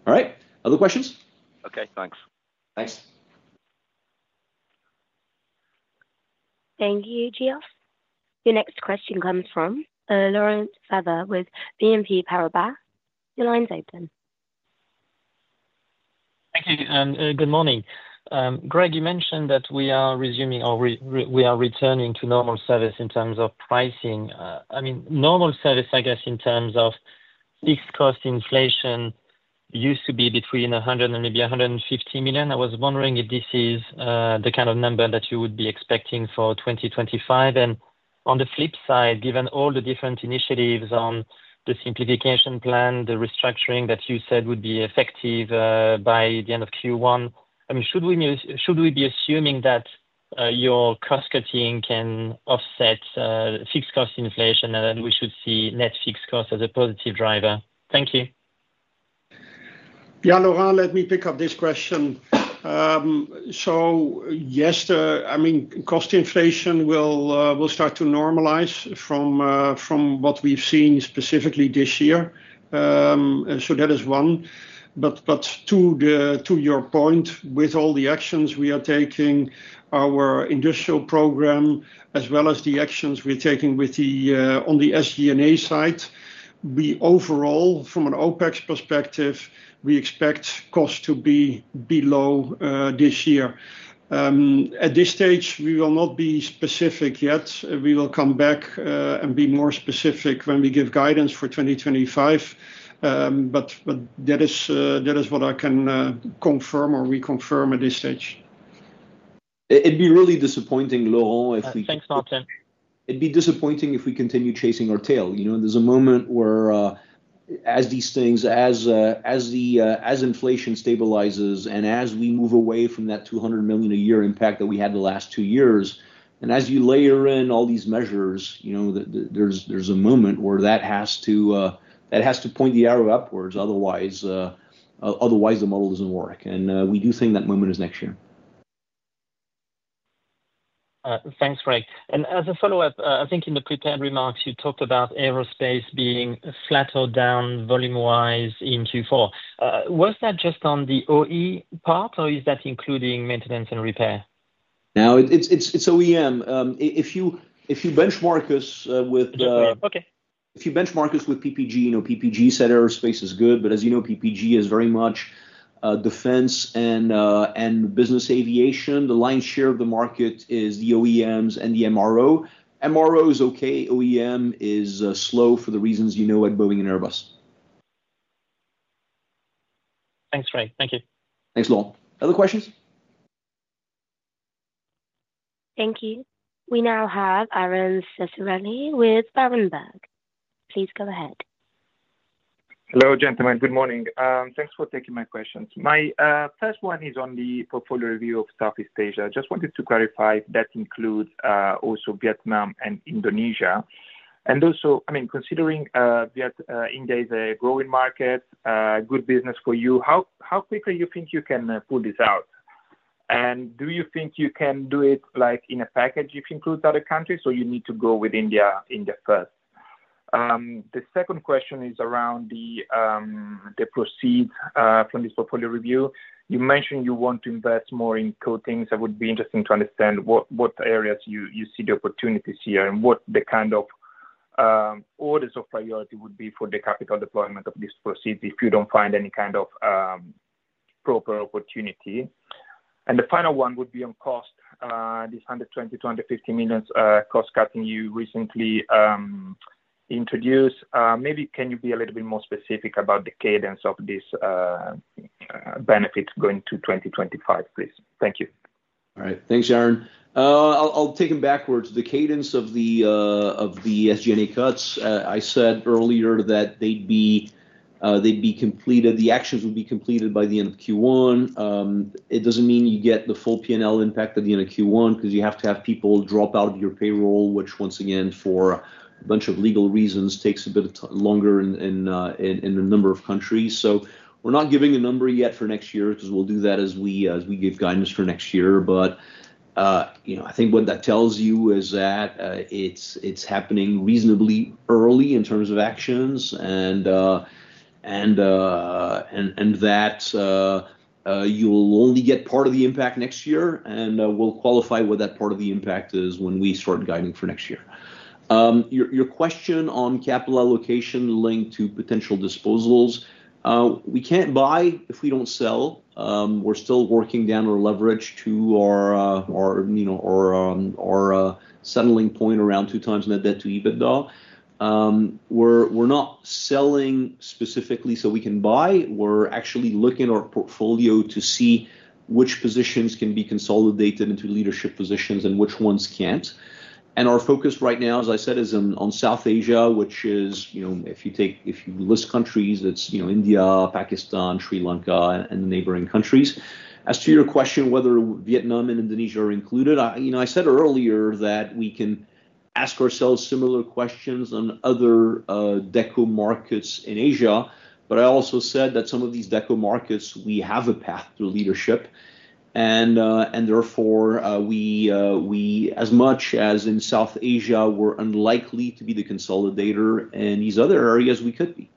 All right? Other questions? Okay, thanks. Thanks. Thank you, Geoff. Your next question comes from Laurent Favre with BNP Paribas. Your line's open. Thank you, and good morning. Greg, you mentioned that we are resuming or we are returning to normal service in terms of pricing. I mean, normal service, I guess, in terms of fixed cost inflation, used to be between 100 million and maybe 150 million. I was wondering if this is the kind of number that you would be expecting for 2025. And on the flip side, given all the different initiatives on the simplification plan, the restructuring that you said would be effective by the end of Q1, I mean, should we be assuming that your cost cutting can offset fixed cost inflation, and then we should see net fixed cost as a positive driver? Thank you. Yeah, Laurent, let me pick up this question. So yes, I mean, cost inflation will start to normalize from what we've seen specifically this year. So that is one. But to your point, with all the actions we are taking, our industrial program as well as the actions we're taking with the on the SG&A side, we overall, from an OpEx perspective, we expect costs to be below this year. At this stage, we will not be specific yet. We will come back and be more specific when we give guidance for 2025, but that is what I can confirm or reconfirm at this stage. It'd be really disappointing, Laurent. Thanks, Maarten. It'd be disappointing if we continue chasing our tail. You know, there's a moment where, as inflation stabilizes, and as we move away from that 200 million a year impact that we had the last two years, and as you layer in all these measures, you know, there's a moment where that has to point the arrow upwards. Otherwise, the model doesn't work, and we do think that moment is next year. Thanks, Greg. And as a follow-up, I think in the prepared remarks, you talked about aerospace being flatter down volume-wise in Q4. Was that just on the OE part, or is that including maintenance and repair? No, it's OEM. If you benchmark us with Okay. If you benchmark us with PPG, you know, PPG said aerospace is good, but as you know, PPG is very much, defense and business aviation. The lion's share of the market is the OEMs and the MRO. MRO is okay, OEM is slow for the reasons you know at Boeing and Airbus. Thanks, Greg. Thank you. Thanks, Laurent. Other questions? Thank you. We now have Aron Ceccarelli with Berenberg. Please go ahead. Hello, gentlemen. Good morning. Thanks for taking my questions. My first one is on the portfolio review of Southeast Asia. I just wanted to clarify that includes also Vietnam and Indonesia. And also, I mean, considering Vietnam, India is a growing market, good business for you, how quickly you think you can pull this out? And do you think you can do it, like, in a package if includes other countries, or you need to go with India first? The second question is around the proceeds from this portfolio review. You mentioned you want to invest more in coatings. That would be interesting to understand what areas you see the opportunities here, and what the kind of orders of priority would be for the capital deployment of this proceeds if you don't find any kind of proper opportunity. And the final one would be on cost. This 120 million-150 million cost cutting you recently introduce, maybe can you be a little bit more specific about the cadence of this benefit going to 2025, please? Thank you. All right. Thanks, Aaron. I'll take them backwards. The cadence of the SG&A cuts, I said earlier that they'd be completed, the actions would be completed by the end of Q1. It doesn't mean you get the full P&L impact at the end of Q1, because you have to have people drop out of your payroll, which, once again, for a bunch of legal reasons, takes a bit longer in a number of countries. So we're not giving a number yet for next year, because we'll do that as we give guidance for next year. You know, I think what that tells you is that it's happening reasonably early in terms of actions and that you'll only get part of the impact next year. We'll qualify what that part of the impact is when we start guiding for next year. Your question on capital allocation linked to potential disposals. We can't buy if we don't sell. We're still working down our leverage to our, you know, our settling point around two times net debt to EBITDA. We're not selling specifically so we can buy. We're actually looking at our portfolio to see which positions can be consolidated into leadership positions and which ones can't. Our focus right now, as I said, is on South Asia, which is, you know, if you list countries, that's, you know, India, Pakistan, Sri Lanka, and the neighboring countries. As to your question, whether Vietnam and Indonesia are included, I, you know, I said earlier that we can ask ourselves similar questions on other Deco markets in Asia, but I also said that some of these Deco markets, we have a path to leadership, and therefore, we as much as in South Asia, we're unlikely to be the consolidator, in these other areas we could be.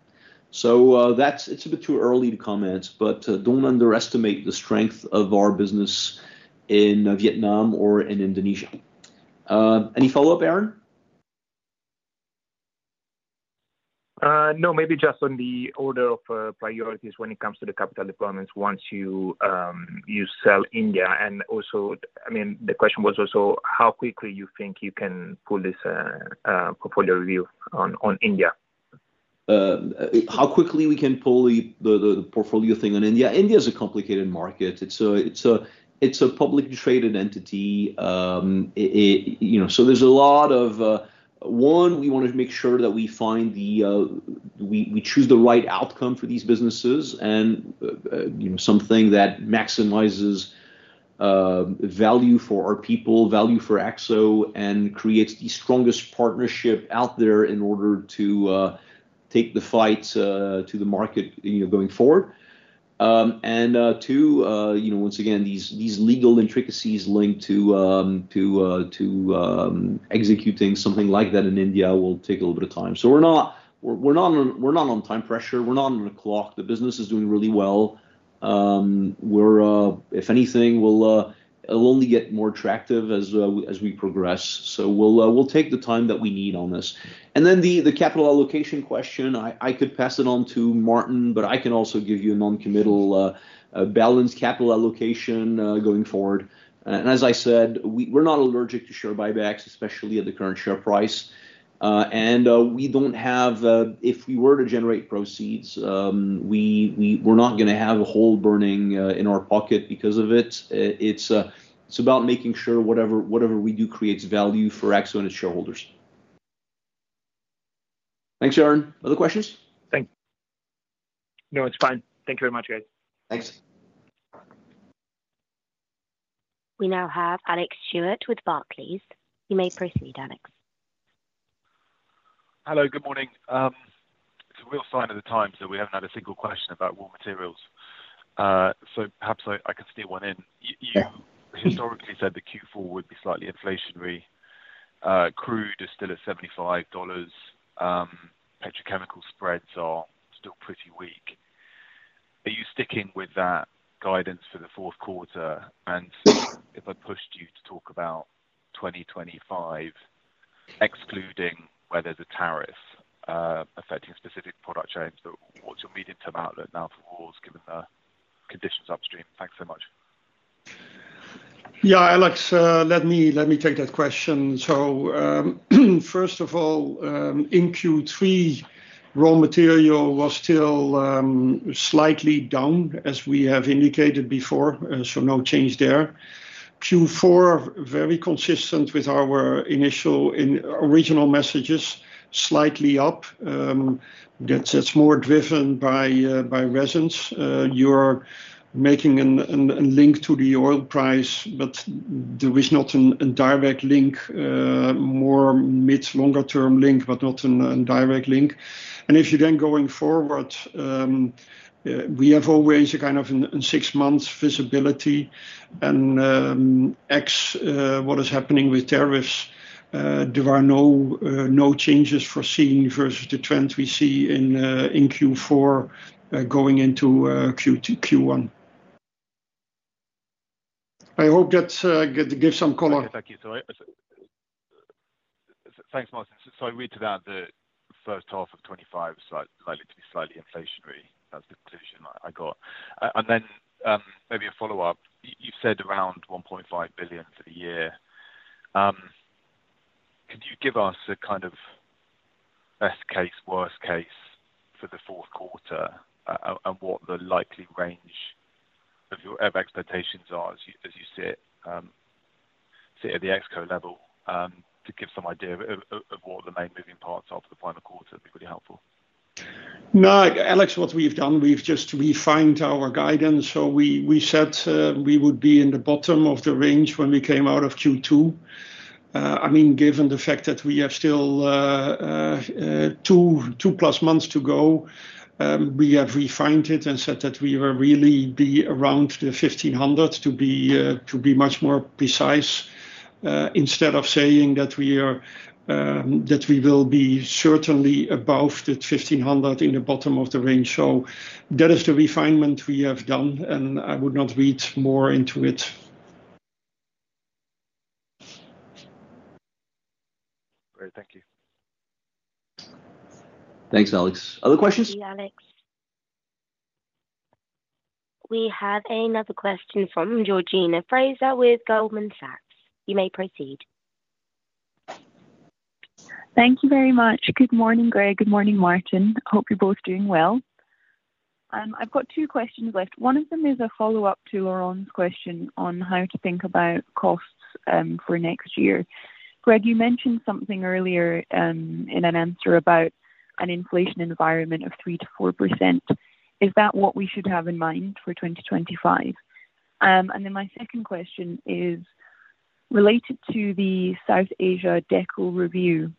That's it. It's a bit too early to comment, but don't underestimate the strength of our business in Vietnam or in Indonesia. Any follow-up, Aaron? No, maybe just on the order of priorities when it comes to the capital deployments once you sell India. And also, I mean, the question was also how quickly you think you can pull this portfolio review on India? How quickly we can pull the portfolio thing on India? India is a complicated market. It's a publicly traded entity. You know, so there's a lot of, one, we wanted to make sure that we find the we choose the right outcome for these businesses and, you know, something that maximizes value for our people, value for Akzo, and creates the strongest partnership out there in order to take the fight to the market, you know, going forward. And, two, you know, once again, these legal intricacies linked to executing something like that in India will take a little bit of time. So we're not on time pressure. We're not on a clock. The business is doing really well. If anything, it'll only get more attractive as we progress. So we'll take the time that we need on this. And then the capital allocation question, I could pass it on to Maarten, but I can also give you a non-committal, balanced capital allocation going forward. And as I said, we're not allergic to share buybacks, especially at the current share price. And we don't have, if we were to generate proceeds, we're not gonna have a hole burning in our pocket because of it. It's about making sure whatever we do creates value for Akzo and its shareholders. Thanks, Aaron. Other questions? Thank you. No, it's fine. Thank you very much, guys. Thanks. We now have Alex Stewart with Barclays. You may proceed, Alex. Hello, good morning. It's a real sign of the times that we haven't had a single question about raw materials. So perhaps I can sneak one in. Yeah. You historically said that Q4 would be slightly inflationary. Crude is still at $75, petrochemical spreads are still pretty weak. Are you sticking with that guidance for the fourth quarter? And if I pushed you to talk about 2025, excluding whatever the tariffs affecting specific product chains, what's your medium-term outlook now for raws, given the conditions upstream? Thanks so much. Yeah, Alex, let me take that question. So, first of all, in Q3, raw material was still slightly down, as we have indicated before, so no change there. Q4, very consistent with our initial and original messages, slightly up. That's more driven by resins. You're making a link to the oil price, but there is not a direct link, more mid longer term link, but not a direct link. And if you're then going forward, we have always a kind of in six months visibility and e.g. what is happening with tariffs, there are no changes we're seeing versus the trends we see in Q4 going into Q1. I hope that give some color. Okay, thank you. Thanks, Maarten. So I read about the first half of 2025, likely to be slightly inflationary. That's the conclusion I got. And then, maybe a follow-up. You said around 1.5 billion for the year. Could you give us a kind of best case, worst case for the fourth quarter, and what the likely range of expectations are as you sit at the Exco level, to give some idea of what the main moving parts are for the final quarter, would be really helpful. No, Alex, what we've done, we've just refined our guidance. So we said we would be in the bottom of the range when we came out of Q2. I mean, given the fact that we have still two plus months to go, we have refined it and said that we will really be around the 1,500 to be much more precise, instead of saying that we will be certainly above the 1,500 in the bottom of the range. So that is the refinement we have done, and I would not read more into it. Great. Thank you. Thanks, Alex. Other questions? Thank you, Alex. We have another question from Georgina Fraser with Goldman Sachs. You may proceed. Thank you very much. Good morning, Greg. Good morning, Maarten. Hope you're both doing well. I've got two questions left. One of them is a follow-up to Laurent's question on how to think about costs, for next year. Greg, you mentioned something earlier, in an answer about an inflation environment of 3%-4%. Is that what we should have in mind for 2025? And then my second question is related to the South Asia Deco review.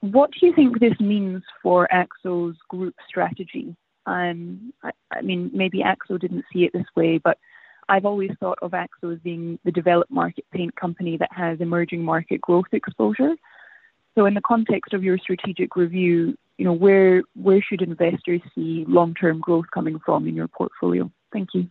What do you think this means for Akzo's group strategy? I mean, maybe Akzo didn't see it this way, but I've always thought of Akzo as being the developed market paint company that has emerging market growth exposure. So in the context of your strategic review, you know, where should investors see long-term growth coming from in your portfolio? Thank you.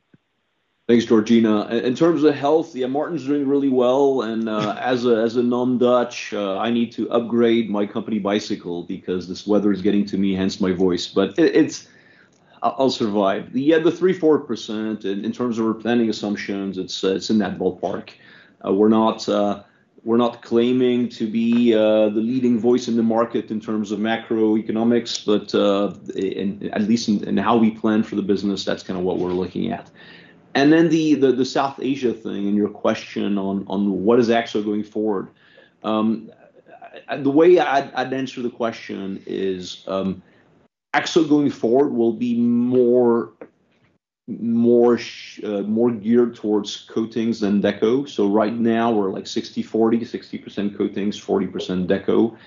Thanks, Georgina. In terms of health, yeah, Maarten's doing really well, and, as a non-Dutch, I need to upgrade my company bicycle because this weather is getting to me, hence my voice. But it's... I'll survive. Yeah, the 3%-4% in terms of our planning assumptions, it's in that ballpark. We're not claiming to be the leading voice in the market in terms of macroeconomics, but at least in how we plan for the business, that's kind of what we're looking at. And then the South Asia thing, and your question on what is Akzo going forward? The way I'd answer the question is, Akzo going forward will be more geared towards coatings than Deco. So right now, we're like 60/40, 60% coatings, 40% Deco,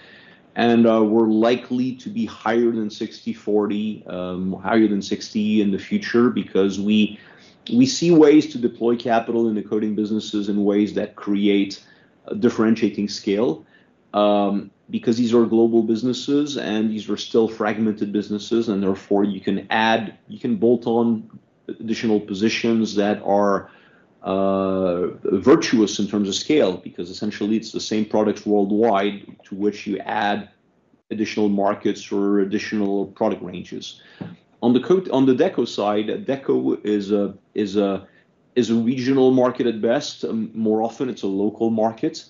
and we're likely to be higher than 60/40, higher than 60% in the future because we see ways to deploy capital in the coating businesses in ways that create differentiating scale. Because these are global businesses and these are still fragmented businesses, and therefore, you can add, you can bolt on additional positions that are virtuous in terms of scale, because essentially, it's the same product worldwide, to which you add additional markets or additional product ranges. On the Deco side, Deco is a regional market at best. More often, it's a local market,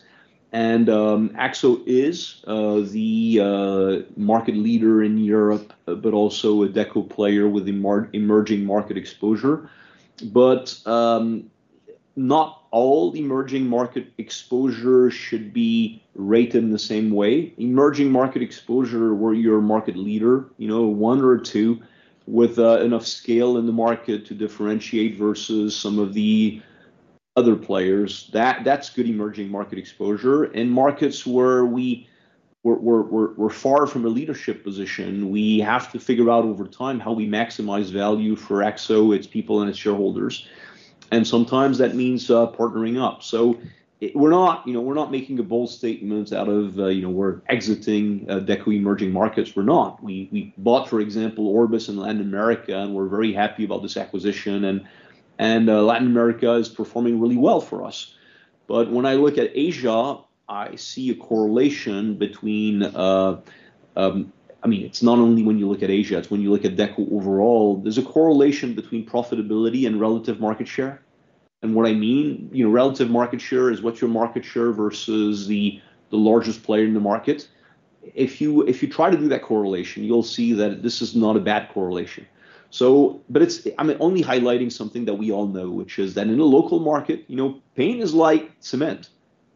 and Akzo is the market leader in Europe, but also a Deco player with emerging market exposure. But not all emerging market exposure should be rated the same way. Emerging market exposure, where you're a market leader, you know, one or two, with enough scale in the market to differentiate versus some of the other players, that, that's good emerging market exposure. In markets where we're far from a leadership position, we have to figure out over time how we maximize value for Akzo, its people, and its shareholders. And sometimes that means partnering up. So we're not, you know, we're not making a bold statement out of, you know, we're exiting Deco emerging markets. We're not. We bought, for example, Orbis in Latin America, and we're very happy about this acquisition, and Latin America is performing really well for us. But when I look at Asia, I see a correlation between... I mean, it's not only when you look at Asia, it's when you look at Deco overall. There's a correlation between profitability and relative market share. And what I mean, you know, relative market share is what your market share versus the largest player in the market. If you try to do that correlation, you'll see that this is not a bad correlation. So but it's. I'm only highlighting something that we all know, which is that in a local market, you know, paint is like cement.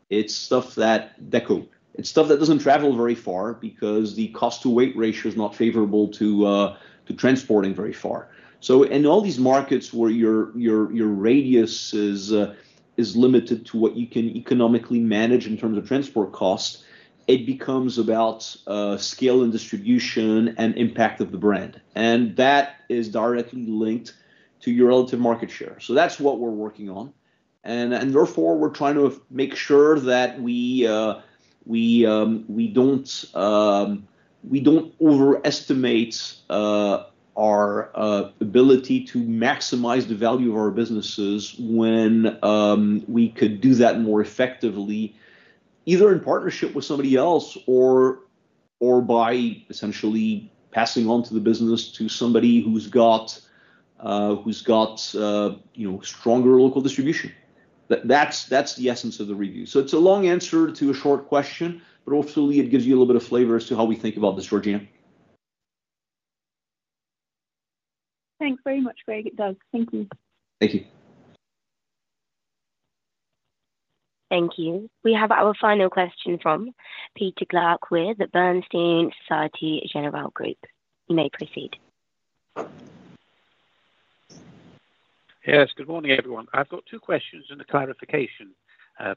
It's stuff that Deco. It's stuff that doesn't travel very far because the cost to weight ratio is not favorable to transporting very far. So in all these markets where your radius is limited to what you can economically manage in terms of transport costs, it becomes about scale and distribution and impact of the brand, and that is directly linked to your relative market share. So that's what we're working on. And therefore, we're trying to make sure that we don't overestimate our ability to maximize the value of our businesses when we could do that more effectively, either in partnership with somebody else or by essentially passing on the business to somebody who's got you know, stronger local distribution. That's the essence of the review. So it's a long answer to a short question, but hopefully it gives you a little bit of flavor as to how we think about this, Georgina. Thanks very much, Greg. It does. Thank you. Thank you. Thank you. We have our final question from Peter Clark with the Bernstein Société Générale Group. You may proceed. Yes, good morning, everyone. I've got two questions and a clarification,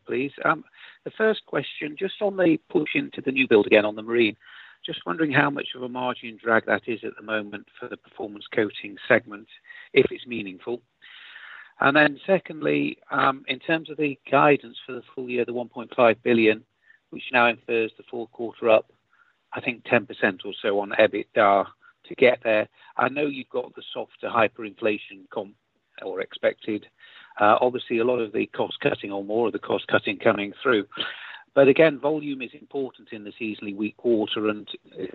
please. The first question, just on the push into the newbuild again on the marine, just wondering how much of a margin drag that is at the moment for the performance coating segment, if it's meaningful? And then secondly, in terms of the guidance for the full year, the 1.5 billion, which now infers the fourth quarter up, I think 10% or so on EBITDA to get there. I know you've got the softer hyperinflation comp or expected. Obviously, a lot of the cost cutting or more of the cost cutting coming through. But again, volume is important in the seasonally weak quarter, and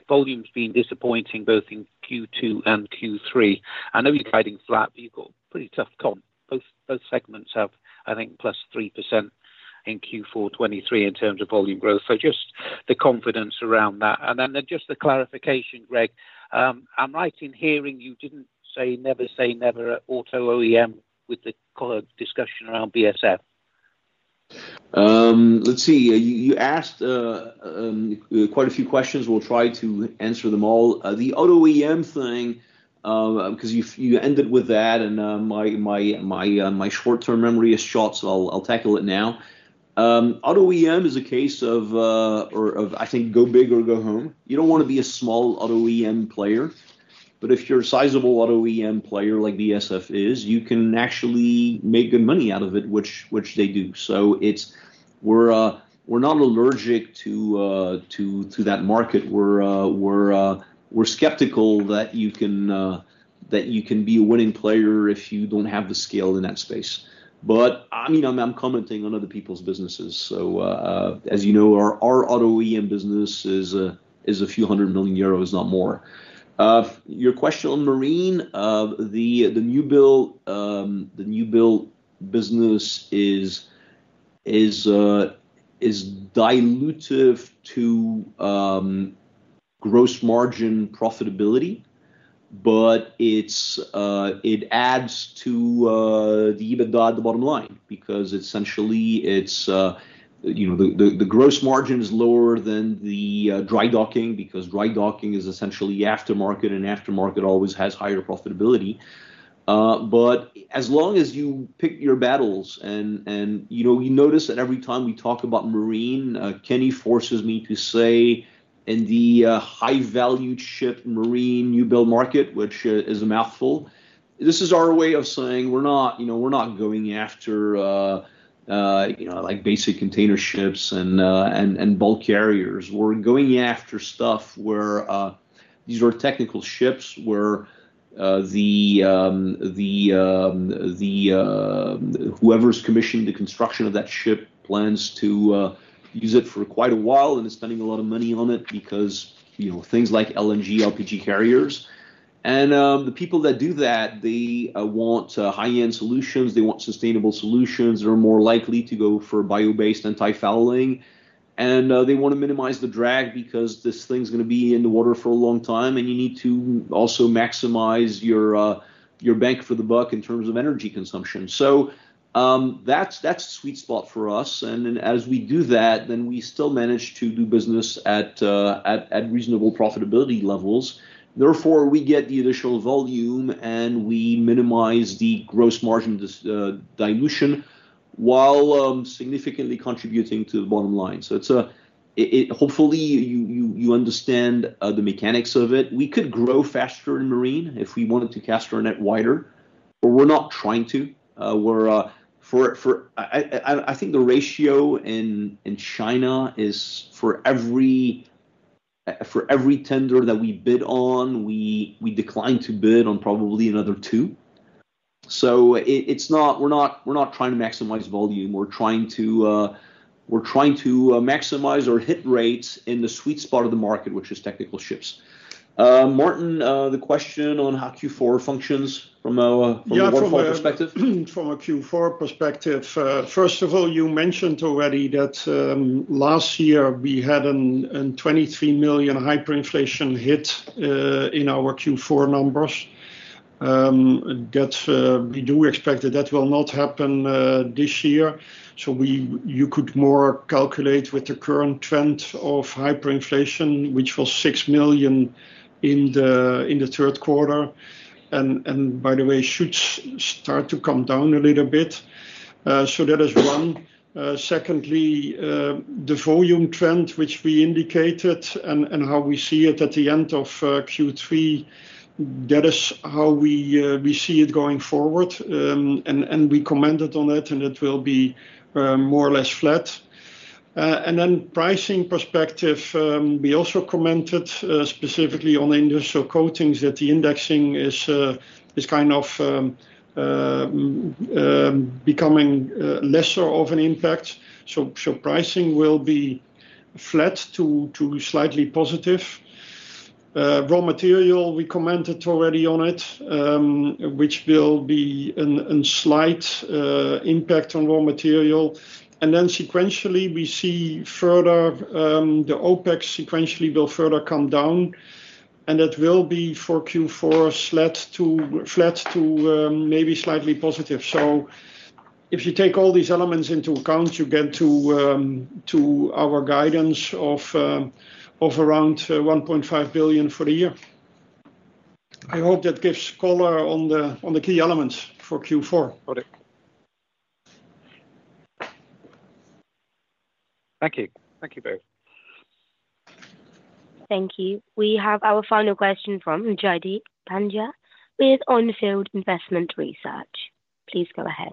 volume's been disappointing both in Q2 and Q3. I know you're guiding flat, but you've got pretty tough comp. Both segments have, I think, plus 3% in Q4 2023 in terms of volume growth. So just the confidence around that. And then just the clarification, Greg. Am I right in hearing you didn't say never say never at auto OEM with the color discussion around BASF? Let's see. You asked quite a few questions. We'll try to answer them all. The auto OEM thing, 'cause you ended with that, and my short-term memory is short, so I'll tackle it now. Auto OEM is a case of, I think, go big or go home. You don't want to be a small auto OEM player, but if you're a sizable auto OEM player like BASF is, you can actually make good money out of it, which they do. So it's... We're not allergic to that market. We're skeptical that you can be a winning player if you don't have the scale in that space. But, I mean, I'm commenting on other people's businesses. So as you know, our auto OEM business is a few 100 million euros, not more. Your question on marine, the new build business is dilutive to gross margin profitability, but it adds to the EBITDA at the bottom line. Because essentially, it is you know, the gross margin is lower than the dry docking, because dry docking is essentially aftermarket, and aftermarket always has higher profitability. But as long as you pick your battles, and you know, we notice that every time we talk about marine, Kenny forces me to say, "In the high-value ship marine new build market," which is a mouthful. This is our way of saying we're not, you know, we're not going after, you know, like, basic container ships and bulk carriers. We're going after stuff where these are technical ships where whoever's commissioning the construction of that ship plans to use it for quite a while and is spending a lot of money on it because, you know, things like LNG, LPG carriers. And the people that do that, they want high-end solutions, they want sustainable solutions. They are more likely to go for bio-based anti-fouling. And they want to minimize the drag because this thing's gonna be in the water for a long time, and you need to also maximize your bang for the buck in terms of energy consumption. So, that's a sweet spot for us, and then as we do that, then we still manage to do business at reasonable profitability levels. Therefore, we get the additional volume, and we minimize the gross margin dilution, while significantly contributing to the bottom line. So it's hopefully you understand the mechanics of it. We could grow faster in marine if we wanted to cast our net wider, but we're not trying to. I think the ratio in China is for every tender that we bid on, we decline to bid on probably another two. So it's not. We're not trying to maximize volume. We're trying to maximize our hit rates in the sweet spot of the market, which is technical ships. Maarten, the question on how Q4 functions from a waterfall perspective. From a Q4 perspective, first of all, you mentioned already that, last year we had a 23 million hyperinflation hit in our Q4 numbers. That we do expect that will not happen this year. So you could more calculate with the current trend of hyperinflation, which was 6 million in the third quarter, and by the way, should start to come down a little bit. So that is one. Secondly, the volume trend, which we indicated and how we see it at the end of Q3, that is how we see it going forward. And we commented on it, and it will be more or less flat. And then pricing perspective, we also commented specifically on industrial coatings that the indexing is kind of becoming lesser of an impact. So pricing will be flat to slightly positive. Raw material, we commented already on it, which will be a slight impact on raw material. And then sequentially, we see further the OpEx sequentially will further come down, and that will be for Q4, flat to maybe slightly positive. So if you take all these elements into account, you get to our guidance of around 1.5 billion for the year. I hope that gives color on the key elements for Q4. Got it. Thank you. Thank you, both. Thank you. We have our final question from Jaideep Pandya with Onfield Investment Research. Please go ahead.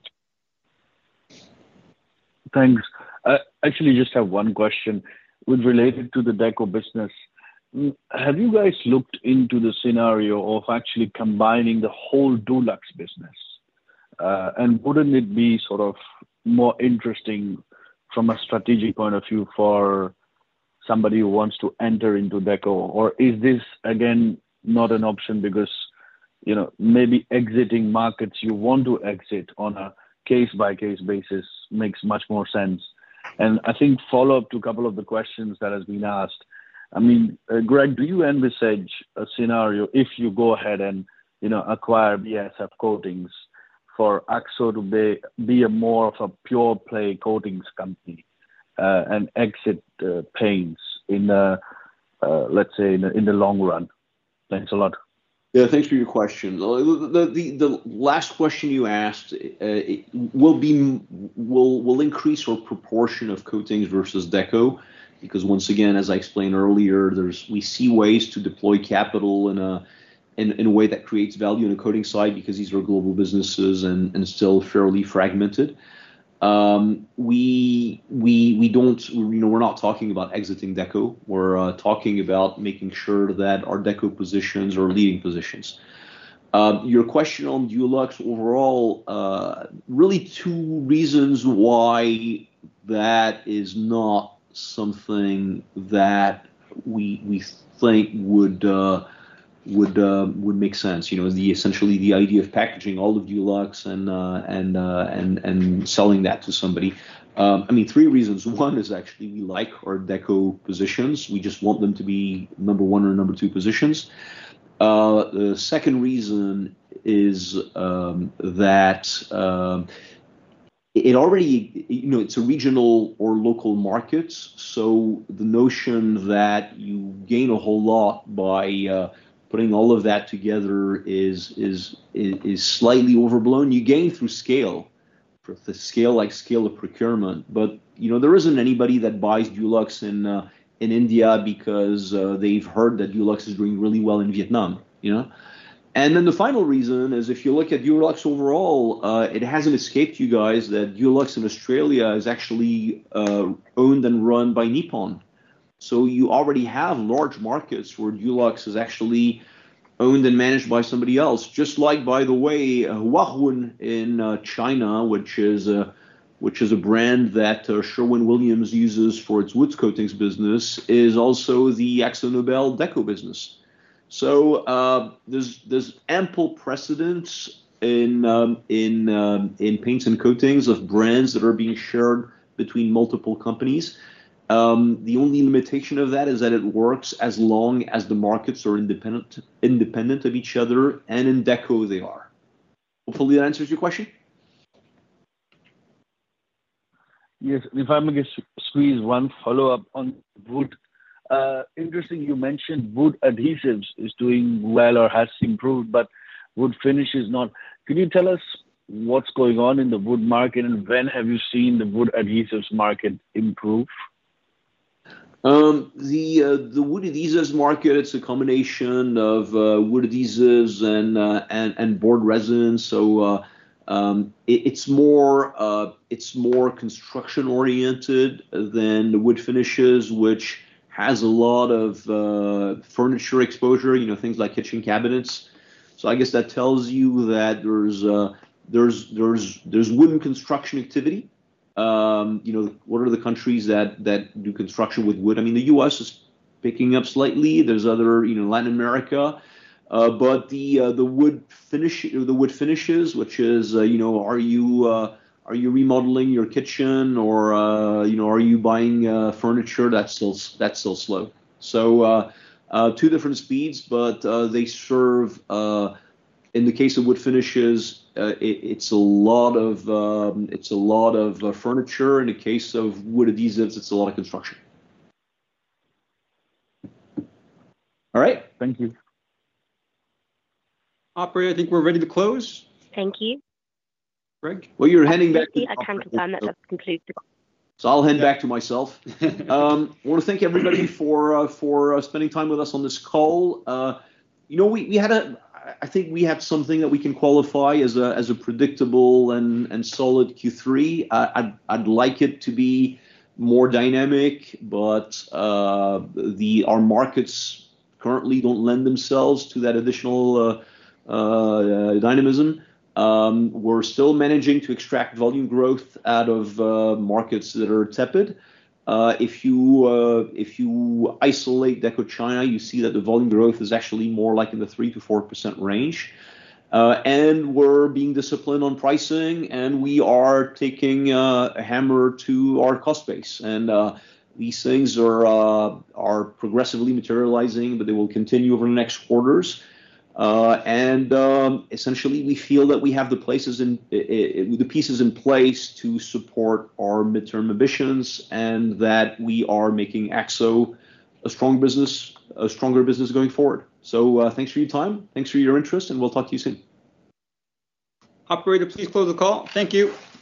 Thanks. I actually just have one question regarding the Deco business. Have you guys looked into the scenario of actually combining the whole Dulux business? And wouldn't it be sort of more interesting from a strategic point of view for somebody who wants to enter into Deco? Or is this, again, not an option because, you know, maybe exiting markets you want to exit on a case-by-case basis makes much more sense. And I think follow-up to a couple of the questions that has been asked, I mean, Greg, do you envisage a scenario if you go ahead and, you know, acquire BASF Coatings for Akzo to be a more of a pure play coatings company, and exit paints in, let's say in the long run? Thanks a lot. Yeah, thanks for your question. Well, the last question you asked, it will increase our proportion of coatings versus Deco. Because once again, as I explained earlier, we see ways to deploy capital in a way that creates value in the coating side because these are global businesses and still fairly fragmented. We don't, you know, we're not talking about exiting Deco. We're talking about making sure that our Deco positions are leading positions. Your question on Dulux overall, really two reasons why that is not something that we think would make sense. You know, essentially the idea of packaging all of Dulux and selling that to somebody. I mean, three reasons. One is actually, we like our Deco positions. We just want them to be number one or number two positions. The second reason is that it already... You know, it's a regional or local markets, so the notion that you gain a whole lot by putting all of that together is slightly overblown. You gain through scale, for the scale, like scale of procurement, but, you know, there isn't anybody that buys Dulux in India because they've heard that Dulux is doing really well in Vietnam, you know? And then the final reason is, if you look at Dulux overall, it hasn't escaped you guys that Dulux in Australia is actually owned and run by Nippon. So you already have large markets where Dulux is actually owned and managed by somebody else, just like, by the way, Huarun in China, which is a brand that Sherwin-Williams uses for its wood coatings business, is also the AkzoNobel Deco business. So, there's ample precedence in paints and coatings of brands that are being shared between multiple companies. The only limitation of that is that it works as long as the markets are independent of each other, and in Deco, they are. Hopefully, that answers your question? Yes. If I may just squeeze one follow-up on wood. Interesting you mentioned wood adhesives is doing well or has improved, but wood finish is not. Can you tell us what's going on in the wood market, and when have you seen the wood adhesives market improve? The wood adhesives market, it's a combination of wood adhesives and board resins. So, it's more construction-oriented than the wood finishes, which has a lot of furniture exposure, you know, things like kitchen cabinets. So I guess that tells you that there's wooden construction activity. You know, what are the countries that do construction with wood? I mean, the U.S. is picking up slightly. There's other, you know, Latin America. But the wood finishes, which is, you know, are you remodeling your kitchen or, you know, are you buying furniture? That's still slow. So, two different speeds, but they serve... In the case of wood finishes, it's a lot of furniture. In the case of wood adhesives, it's a lot of construction. All right? Thank you. Operator, I think we're ready to close. Thank you. Greg? Well, you're handing back to- I can confirm that that's complete. So I'll hand back to myself. I want to thank everybody for spending time with us on this call. You know, we had something that we can qualify as a predictable and solid Q3. I'd like it to be more dynamic, but our markets currently don't lend themselves to that additional dynamism. We're still managing to extract volume growth out of markets that are tepid. If you isolate Deco China, you see that the volume growth is actually more like in the 3%-4% range. And we're being disciplined on pricing, and we are taking a hammer to our cost base. And these things are progressively materializing, but they will continue over the next quarters. Essentially, we feel that we have the pieces in place to support our midterm ambitions, and that we are making Akzo a strong business, a stronger business going forward. So, thanks for your time, thanks for your interest, and we'll talk to you soon. Operator, please close the call. Thank you.